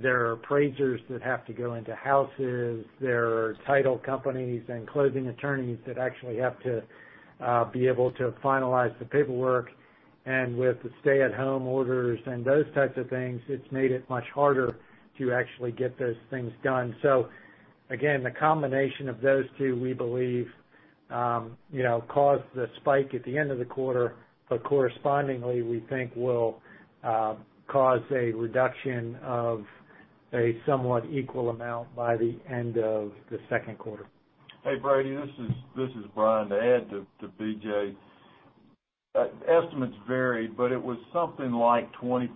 there are appraisers that have to go into houses. There are title companies and closing attorneys that actually have to be able to finalize the paperwork. With the stay-at-home orders and those types of things, it's made it much harder to actually get those things done. The combination of those two, we believe, caused the spike at the end of the quarter, but correspondingly, we think will cause a reduction of a somewhat equal amount by the end of the second quarter. Hey, Brady, this is Bryan. To add to BJ, estimates vary, but it was something like 20%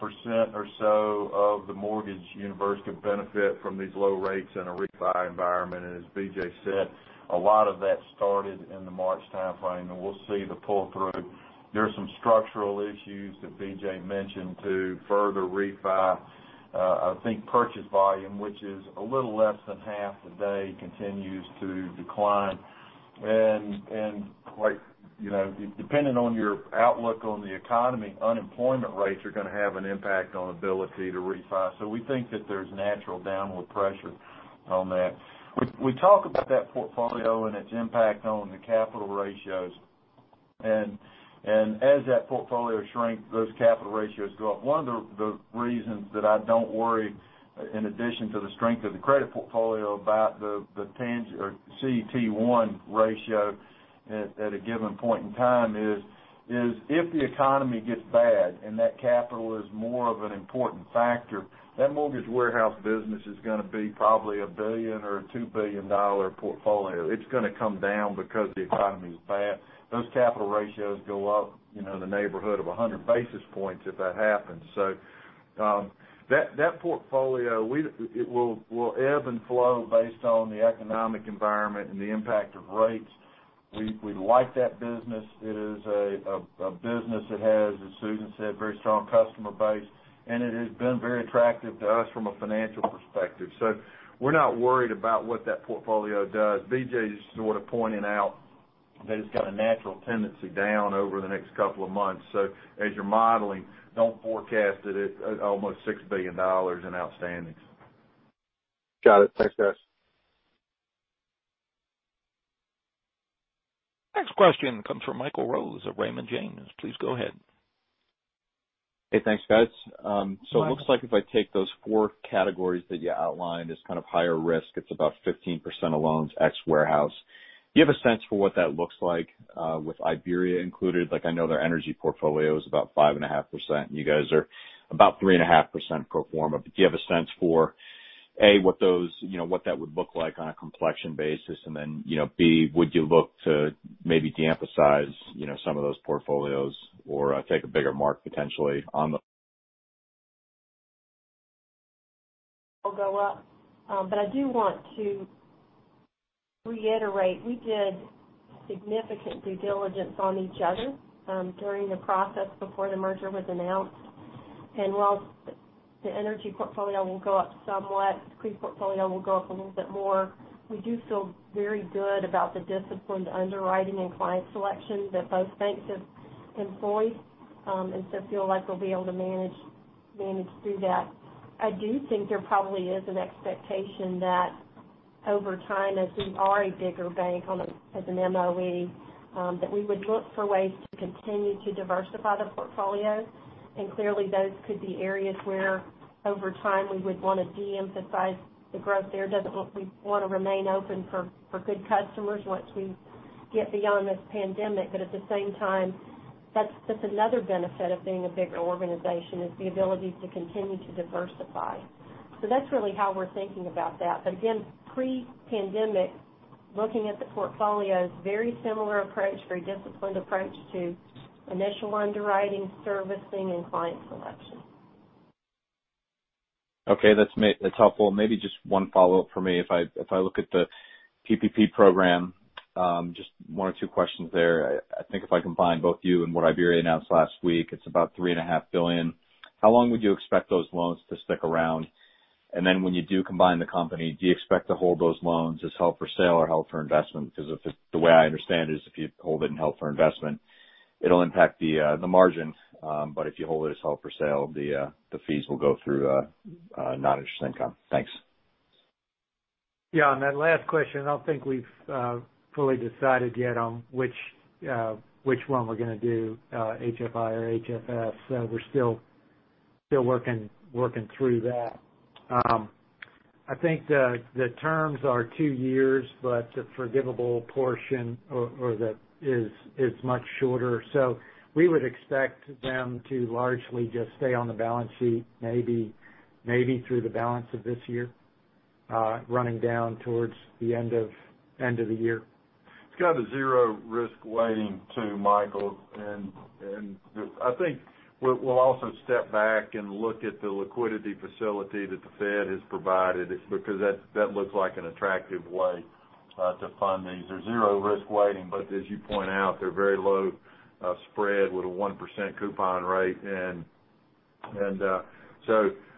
or so of the mortgage universe could benefit from these low rates in a refi environment. As BJ said, a lot of that started in the March timeframe, and we'll see the pull-through. There are some structural issues that BJ mentioned to further refi. I think purchase volume, which is a little less than half today, continues to decline. Depending on your outlook on the economy, unemployment rates are going to have an impact on ability to refi. We think that there's natural downward pressure on that. We talk about that portfolio and its impact on the capital ratios. As that portfolio shrinks, those capital ratios go up. One of the reasons that I don't worry, in addition to the strength of the credit portfolio, about the CET1 ratio at a given point in time is if the economy gets bad and that capital is more of an important factor, that mortgage warehouse business is going to be probably a $1 billion or a $2 billion portfolio. It's going to come down because the economy is bad. Those capital ratios go up in the neighborhood of 100 basis points if that happens. That portfolio will ebb and flow based on the economic environment and the impact of rates. We like that business. It is a business that has, as Susan said, a very strong customer base, and it has been very attractive to us from a financial perspective. We're not worried about what that portfolio does. BJ's sort of pointing out that it's got a natural tendency down over the next couple of months. As you're modeling, don't forecast it at almost $6 billion in outstandings. Got it. Thanks, guys. Next question comes from Michael Rose at Raymond James. Please go ahead. Hey, thanks, guys. Michael. It looks like if I take those four categories that you outlined as kind of higher risk, it's about 15% of loans, ex warehouse. Do you have a sense for what that looks like with IberiaBank included? I know their energy portfolio is about 5.5%, and you guys are about 3.5% pro forma. Do you have a sense for A, what that would look like on a complexion basis, and then, B, would you look to maybe de-emphasize some of those portfolios or take a bigger mark potentially on the- Will go up. I do want to reiterate, we did significant due diligence on each other during the process before the merger was announced. While the energy portfolio will go up somewhat, the CRE portfolio will go up a little bit more, we do feel very good about the disciplined underwriting and client selection that both banks have employed, and so feel like we'll be able to manage through that. I do think there probably is an expectation that over time, as we are a bigger bank as an MOE, that we would look for ways to continue to diversify the portfolios. Clearly, those could be areas where over time we would want to de-emphasize the growth there. Doesn't look we want to remain open for good customers once we get beyond this pandemic. At the same time, that's another benefit of being a bigger organization is the ability to continue to diversify. That's really how we're thinking about that. Again, pre-pandemic, looking at the portfolios, very similar approach, very disciplined approach to initial underwriting, servicing, and client selection. Okay, that's helpful. Maybe just one follow-up for me. If I look at the PPP program, just one or two questions there. I think if I combine both you and what IberiaBank announced last week, it's about 3.5 billion. How long would you expect those loans to stick around? When you do combine the company, do you expect to hold those loans as held for sale or held for investment? Because the way I understand is if you hold it in held for investment, it'll impact the margin, but if you hold it as held for sale, the fees will go through non-interest income. Thanks. Yeah, on that last question, I don't think we've fully decided yet on which one we're going to do, HFI or HFS. We're still working through that. I think the terms are two years, but the forgivable portion is much shorter. We would expect them to largely just stay on the balance sheet, maybe through the balance of this year, running down towards the end of the year. It's got a zero risk weighting too, Michael. I think we'll also step back and look at the liquidity facility that the Fed has provided because that looks like an attractive way to fund these. They're zero risk weighting, but as you point out, they're very low spread with a 1% coupon rate.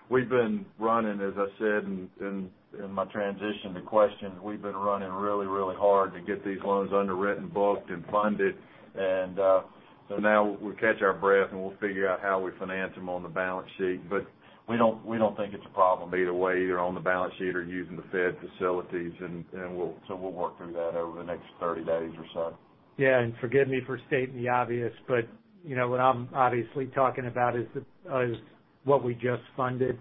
We've been running, as I said in my transition to questions, we've been running really hard to get these loans underwritten, booked, and funded. Now we'll catch our breath, and we'll figure out how we finance them on the balance sheet. We don't think it's a problem either way, either on the balance sheet or using the Fed facilities. We'll work through that over the next 30 days or so. Yeah. Forgive me for stating the obvious, but what I'm obviously talking about is what we just funded.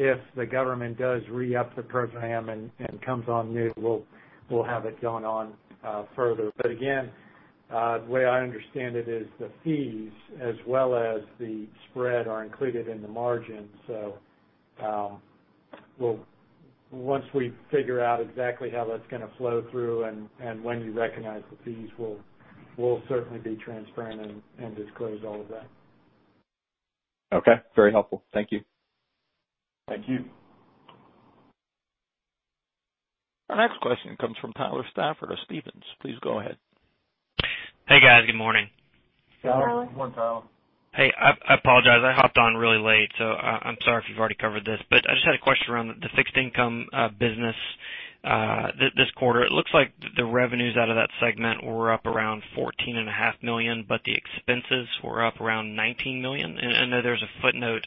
If the government does re-up the program and comes on new, we'll have it going on further. Again, the way I understand it is the fees as well as the spread are included in the margin. Once we figure out exactly how that's going to flow through and when you recognize the fees, we'll certainly be transparent and disclose all of that. Okay. Very helpful. Thank you. Thank you. Our next question comes from Tyler Stafford of Stephens. Please go ahead. Hey, guys. Good morning. Tyler. Good morning, Tyler. Hey, I apologize. I hopped on really late, so I'm sorry if you've already covered this. I just had a question around the fixed income business. This quarter, it looks like the revenues out of that segment were up around $14.5 million, but the expenses were up around $19 million? I know there's a footnote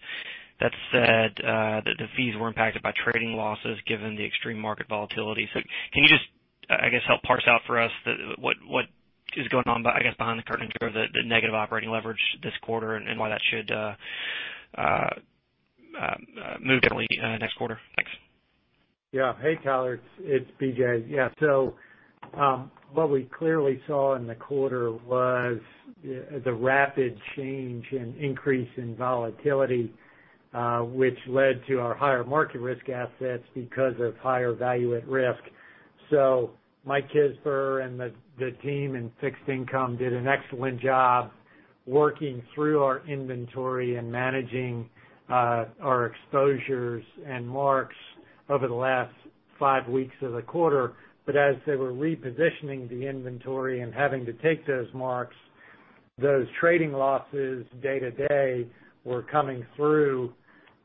that said that the fees were impacted by trading losses given the extreme market volatility. Can you just help parse out for us what is going on behind the curtain in terms of the negative operating leverage this quarter and why that should move differently next quarter? Thanks. Hey, Tyler, it's BJ. What we clearly saw in the quarter was the rapid change in increase in volatility, which led to our higher market risk assets because of higher value at risk. Michael Kisber and the team in fixed income did an excellent job working through our inventory and managing our exposures and marks over the last five weeks of the quarter. As they were repositioning the inventory and having to take those marks, those trading losses day-to-day were coming through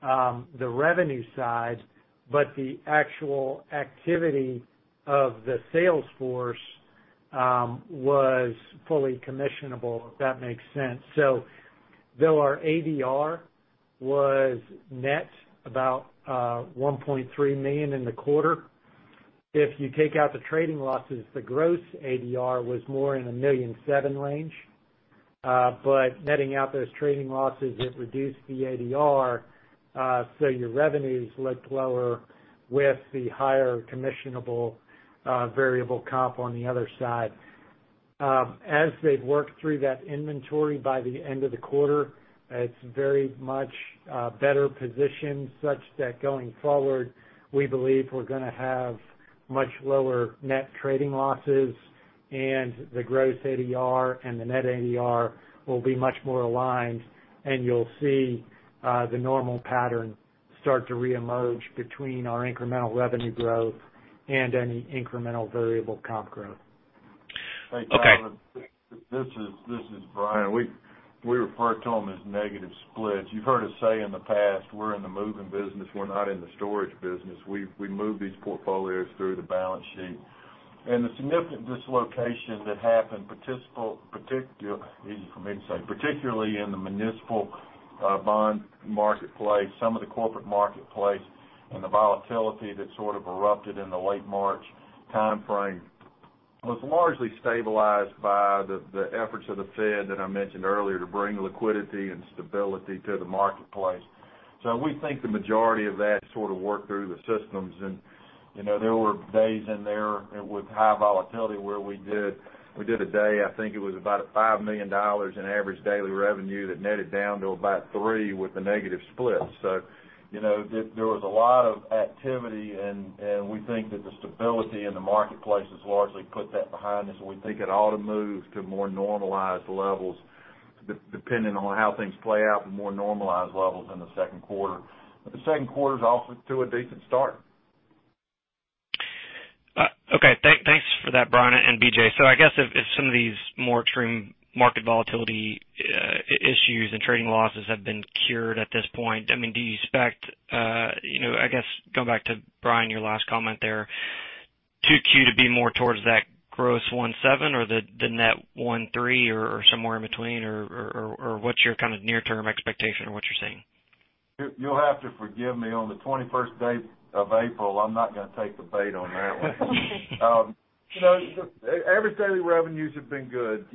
the revenue side, but the actual activity of the sales force was fully commissionable, if that makes sense. Though our ADR was net about $1.3 million in the quarter, if you take out the trading losses, the gross ADR was more in $1.7 million range. Netting out those trading losses, it reduced the ADR, so your revenues looked lower with the higher commissionable variable comp on the other side. As they've worked through that inventory by the end of the quarter, it's very much better positioned such that going forward, we believe we're going to have much lower net trading losses, and the gross ADR and the net ADR will be much more aligned, and you'll see the normal pattern start to reemerge between our incremental revenue growth and any incremental variable comp growth. Okay. Hey, Kevin, this is Bryan. We refer to them as negative splits. You've heard us say in the past, we're in the moving business, we're not in the storage business. We move these portfolios through the balance sheet. The significant dislocation that happened, easy for me to say, particularly in the municipal bond marketplace, some of the corporate marketplace, and the volatility that sort of erupted in the late March timeframe, was largely stabilized by the efforts of the Fed that I mentioned earlier to bring liquidity and stability to the marketplace. We think the majority of that sort of worked through the systems. There were days in there with high volatility where we did a day, I think it was about a $5 million in average daily revenue that netted down to about three with the negative split. There was a lot of activity, and we think that the stability in the marketplace has largely put that behind us, and we think it ought to move to more normalized levels, depending on how things play out to more normalized levels in the second quarter. The second quarter's off to a decent start. Okay. Thanks for that, Bryan and BJ. I guess if some of these more extreme market volatility issues and trading losses have been cured at this point, do you expect, I guess, going back to Bryan, your last comment there, 2Q to be more towards that gross 1.7 or the net 1.3 or somewhere in between, or what's your kind of near-term expectation on what you're seeing? You'll have to forgive me. On the 21st day of April, I'm not going to take the bait on that one. Average daily revenues have been good.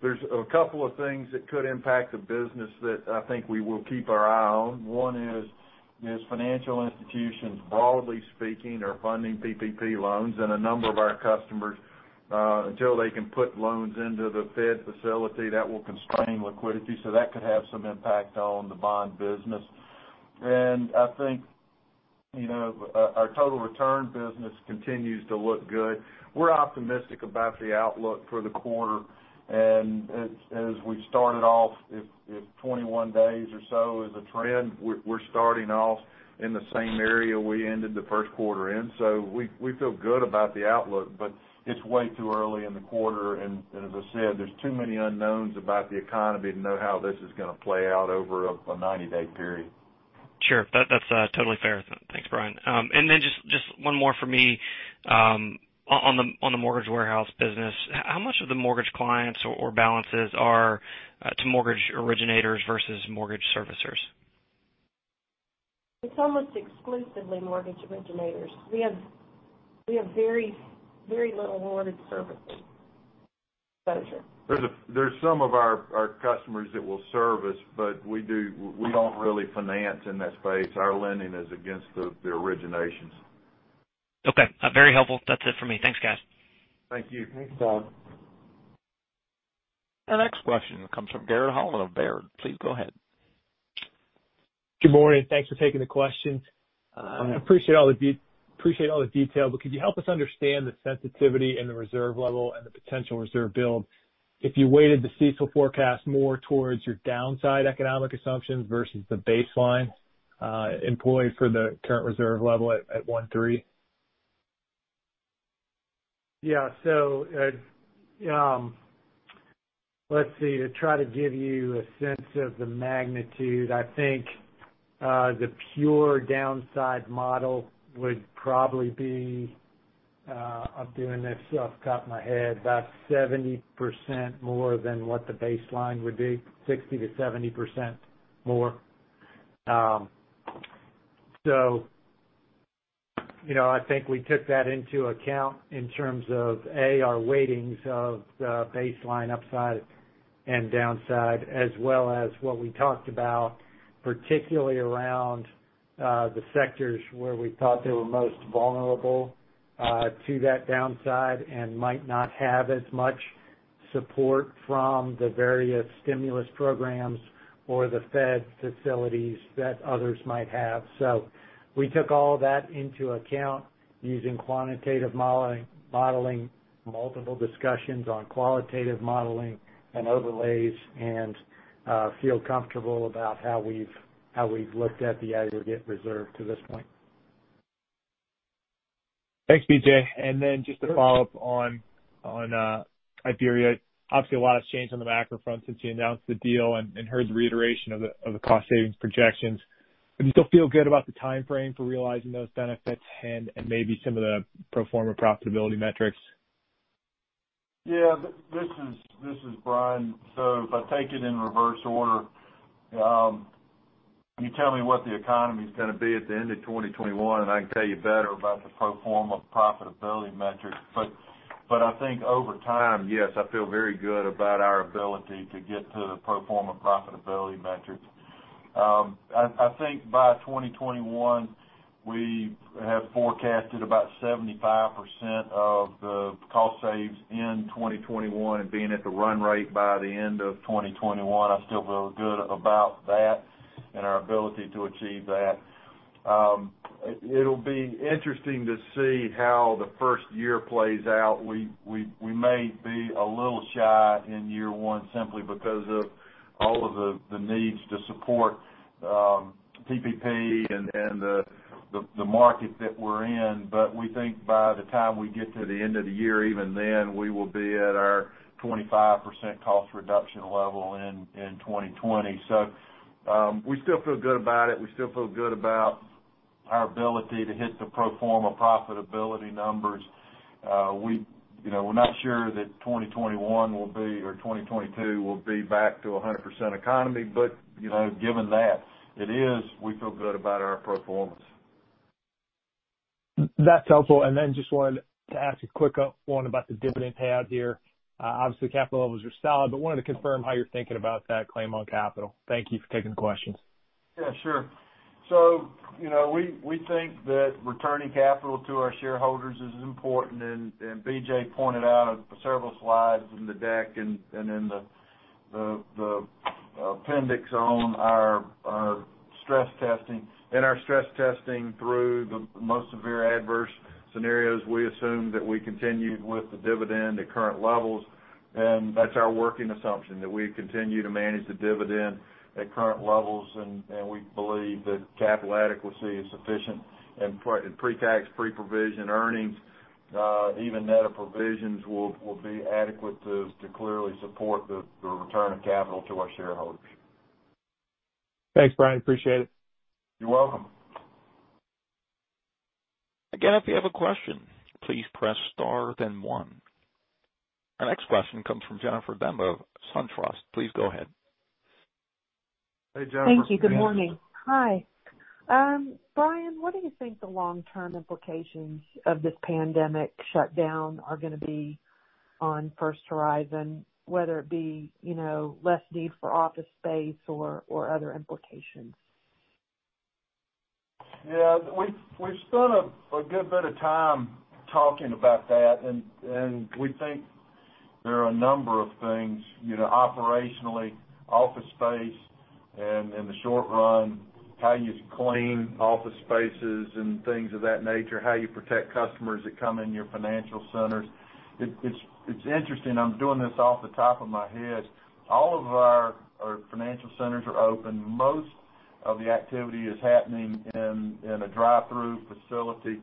There is a couple of things that could impact the business that I think we will keep our eye on. One is financial institutions, broadly speaking, are funding PPP loans and a number of our customers, until they can put loans into the Fed facility, that will constrain liquidity. That could have some impact on the bond business. I think our total return business continues to look good. We are optimistic about the outlook for the quarter, and as we started off, if 21 days or so is a trend, we are starting off in the same area we ended the first quarter in. We feel good about the outlook, but it's way too early in the quarter, and as I said, there's too many unknowns about the economy to know how this is going to play out over a 90-day period. Sure. That's totally fair. Thanks, Bryan. Just one more for me. On the mortgage warehouse business, how much of the mortgage clients or balances are to mortgage originators versus mortgage servicers? It's almost exclusively mortgage originators. We have very little mortgage servicing exposure. There's some of our customers that will service, but we don't really finance in that space. Our lending is against the originations. Okay. Very helpful. That's it for me. Thanks, guys. Thank you. Thanks, Todd. Our next question comes from of Baird. Please go ahead. Good morning. Thanks for taking the questions. Hi. Appreciate all the detail. Could you help us understand the sensitivity and the reserve level and the potential reserve build if you weighted the CECL forecast more towards your downside economic assumptions versus the baseline employed for the current reserve level at 1.3? Yeah. Let's see. To try to give you a sense of the magnitude, I think, the pure downside model would probably be, I'm doing this off the top of my head, about 70% more than what the baseline would be, 60%-70% more. I think we took that into account in terms of, A, our weightings of the baseline upside and downside as well as what we talked about, particularly around the sectors where we thought they were most vulnerable to that downside and might not have as much support from the various stimulus programs or the Fed facilities that others might have. We took all that into account using quantitative modeling, multiple discussions on qualitative modeling and overlays, and feel comfortable about how we've looked at the aggregate reserve to this point. Thanks, BJ. Then just to follow up on Sure. IberiaBank, obviously, a lot has changed on the macro front since you announced the deal and heard the reiteration of the cost savings projections. Do you still feel good about the timeframe for realizing those benefits and maybe some of the pro forma profitability metrics? This is Bryan. If I take it in reverse order, you tell me what the economy's going to be at the end of 2021, and I can tell you better about the pro forma profitability metrics. I think over time, yes, I feel very good about our ability to get to the pro forma profitability metrics. I think by 2021, we have forecasted about 75% of the cost saves in 2021 and being at the run rate by the end of 2021. I still feel good about that and our ability to achieve that. It'll be interesting to see how the first year plays out. We may be a little shy in year one simply because of all of the needs to support PPP and the market that we're in. We think by the time we get to the end of the year, even then, we will be at our 25% cost reduction level in 2020. We still feel good about it. We still feel good about our ability to hit the pro forma profitability numbers. We're not sure that 2021 will be, or 2022 will be back to 100% economy, but given that it is, we feel good about our pro formas. That's helpful. Just wanted to ask a quick one about the dividend payout here. Obviously, capital levels are solid, but wanted to confirm how you're thinking about that claim on capital. Thank you for taking the questions. Yeah, sure. We think that returning capital to our shareholders is important, and BJ pointed out several slides in the deck and in the appendix on our stress testing. In our stress testing, through the most severe adverse scenarios, we assume that we continue with the dividend at current levels. That's our working assumption, that we continue to manage the dividend at current levels, and we believe that capital adequacy is sufficient. Pre-tax, pre-provision earnings, even net of provisions, will be adequate to clearly support the return of capital to our shareholders. Thanks, Bryan. Appreciate it. You're welcome. Again, if you have a question, please press star, then one. Our next question comes from Jennifer Demba of SunTrust. Please go ahead. Hey, Jennifer. Thank you. Good morning. Hi. Bryan, what do you think the long-term implications of this pandemic shutdown are going to be on First Horizon, whether it be less need for office space or other implications? Yeah. We've spent a good bit of time talking about that, we think there are a number of things. Operationally, office space and in the short run, how you clean office spaces and things of that nature, how you protect customers that come in your financial centers. It's interesting. I'm doing this off the top of my head. All of our financial centers are open. Most of the activity is happening in a drive-through facility.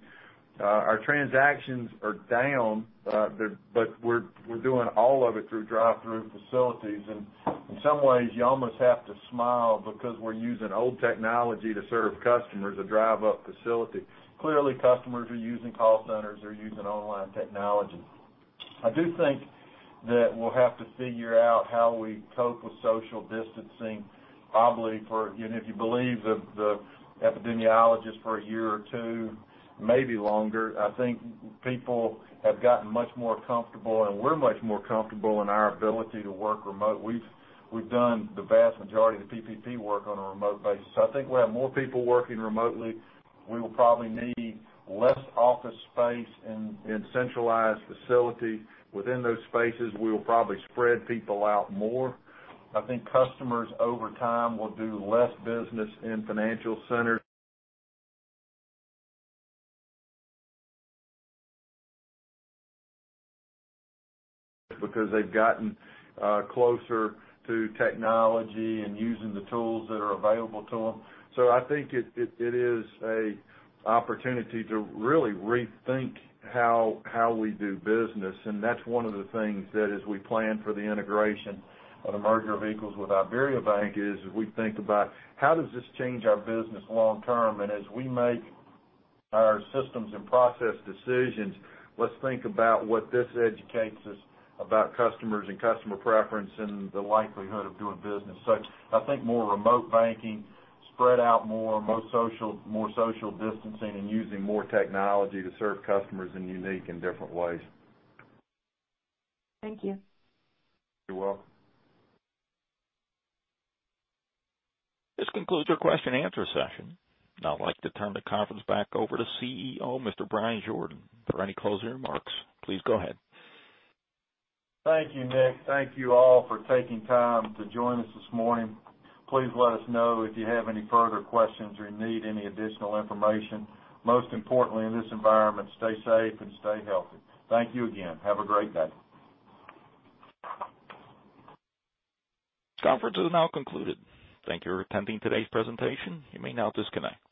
Our transactions are down, but we're doing all of it through drive-through facilities. In some ways, you almost have to smile because we're using old technology to serve customers, a drive-up facility. Clearly, customers are using call centers, they're using online technology. I do think that we'll have to figure how we cope with social distancing, probably for, if you believe the epidemiologists, for a year or two, maybe longer. I think people have gotten much more comfortable, and we're much more comfortable in our ability to work remote. We've done the vast majority of the PPP work on a remote basis. I think we'll have more people working remotely. We will probably need less office space in centralized facility. Within those spaces, we will probably spread people out more. I think customers, over time, will do less business in financial centers because they've gotten closer to technology and using the tools that are available to them. I think it is a opportunity to really rethink how we do business, and that's one of the things that as we plan for the integration of the merger of equals with IberiaBank is, we think about how does this change our business long term. As we make our systems and process decisions, let's think about what this educates us about customers and customer preference and the likelihood of doing business. I think more remote banking, spread out more, more social distancing, and using more technology to serve customers in unique and different ways. Thank you. You're welcome. This concludes your question-and-answer session. I'd like to turn the conference back over to CEO, Mr. Bryan Jordan, for any closing remarks. Please go ahead. Thank you, Nick. Thank you all for taking time to join us this morning. Please let us know if you have any further questions or you need any additional information. Most importantly, in this environment, stay safe and stay healthy. Thank you again. Have a great day. Conference is now concluded. Thank you for attending today's presentation. You may now disconnect.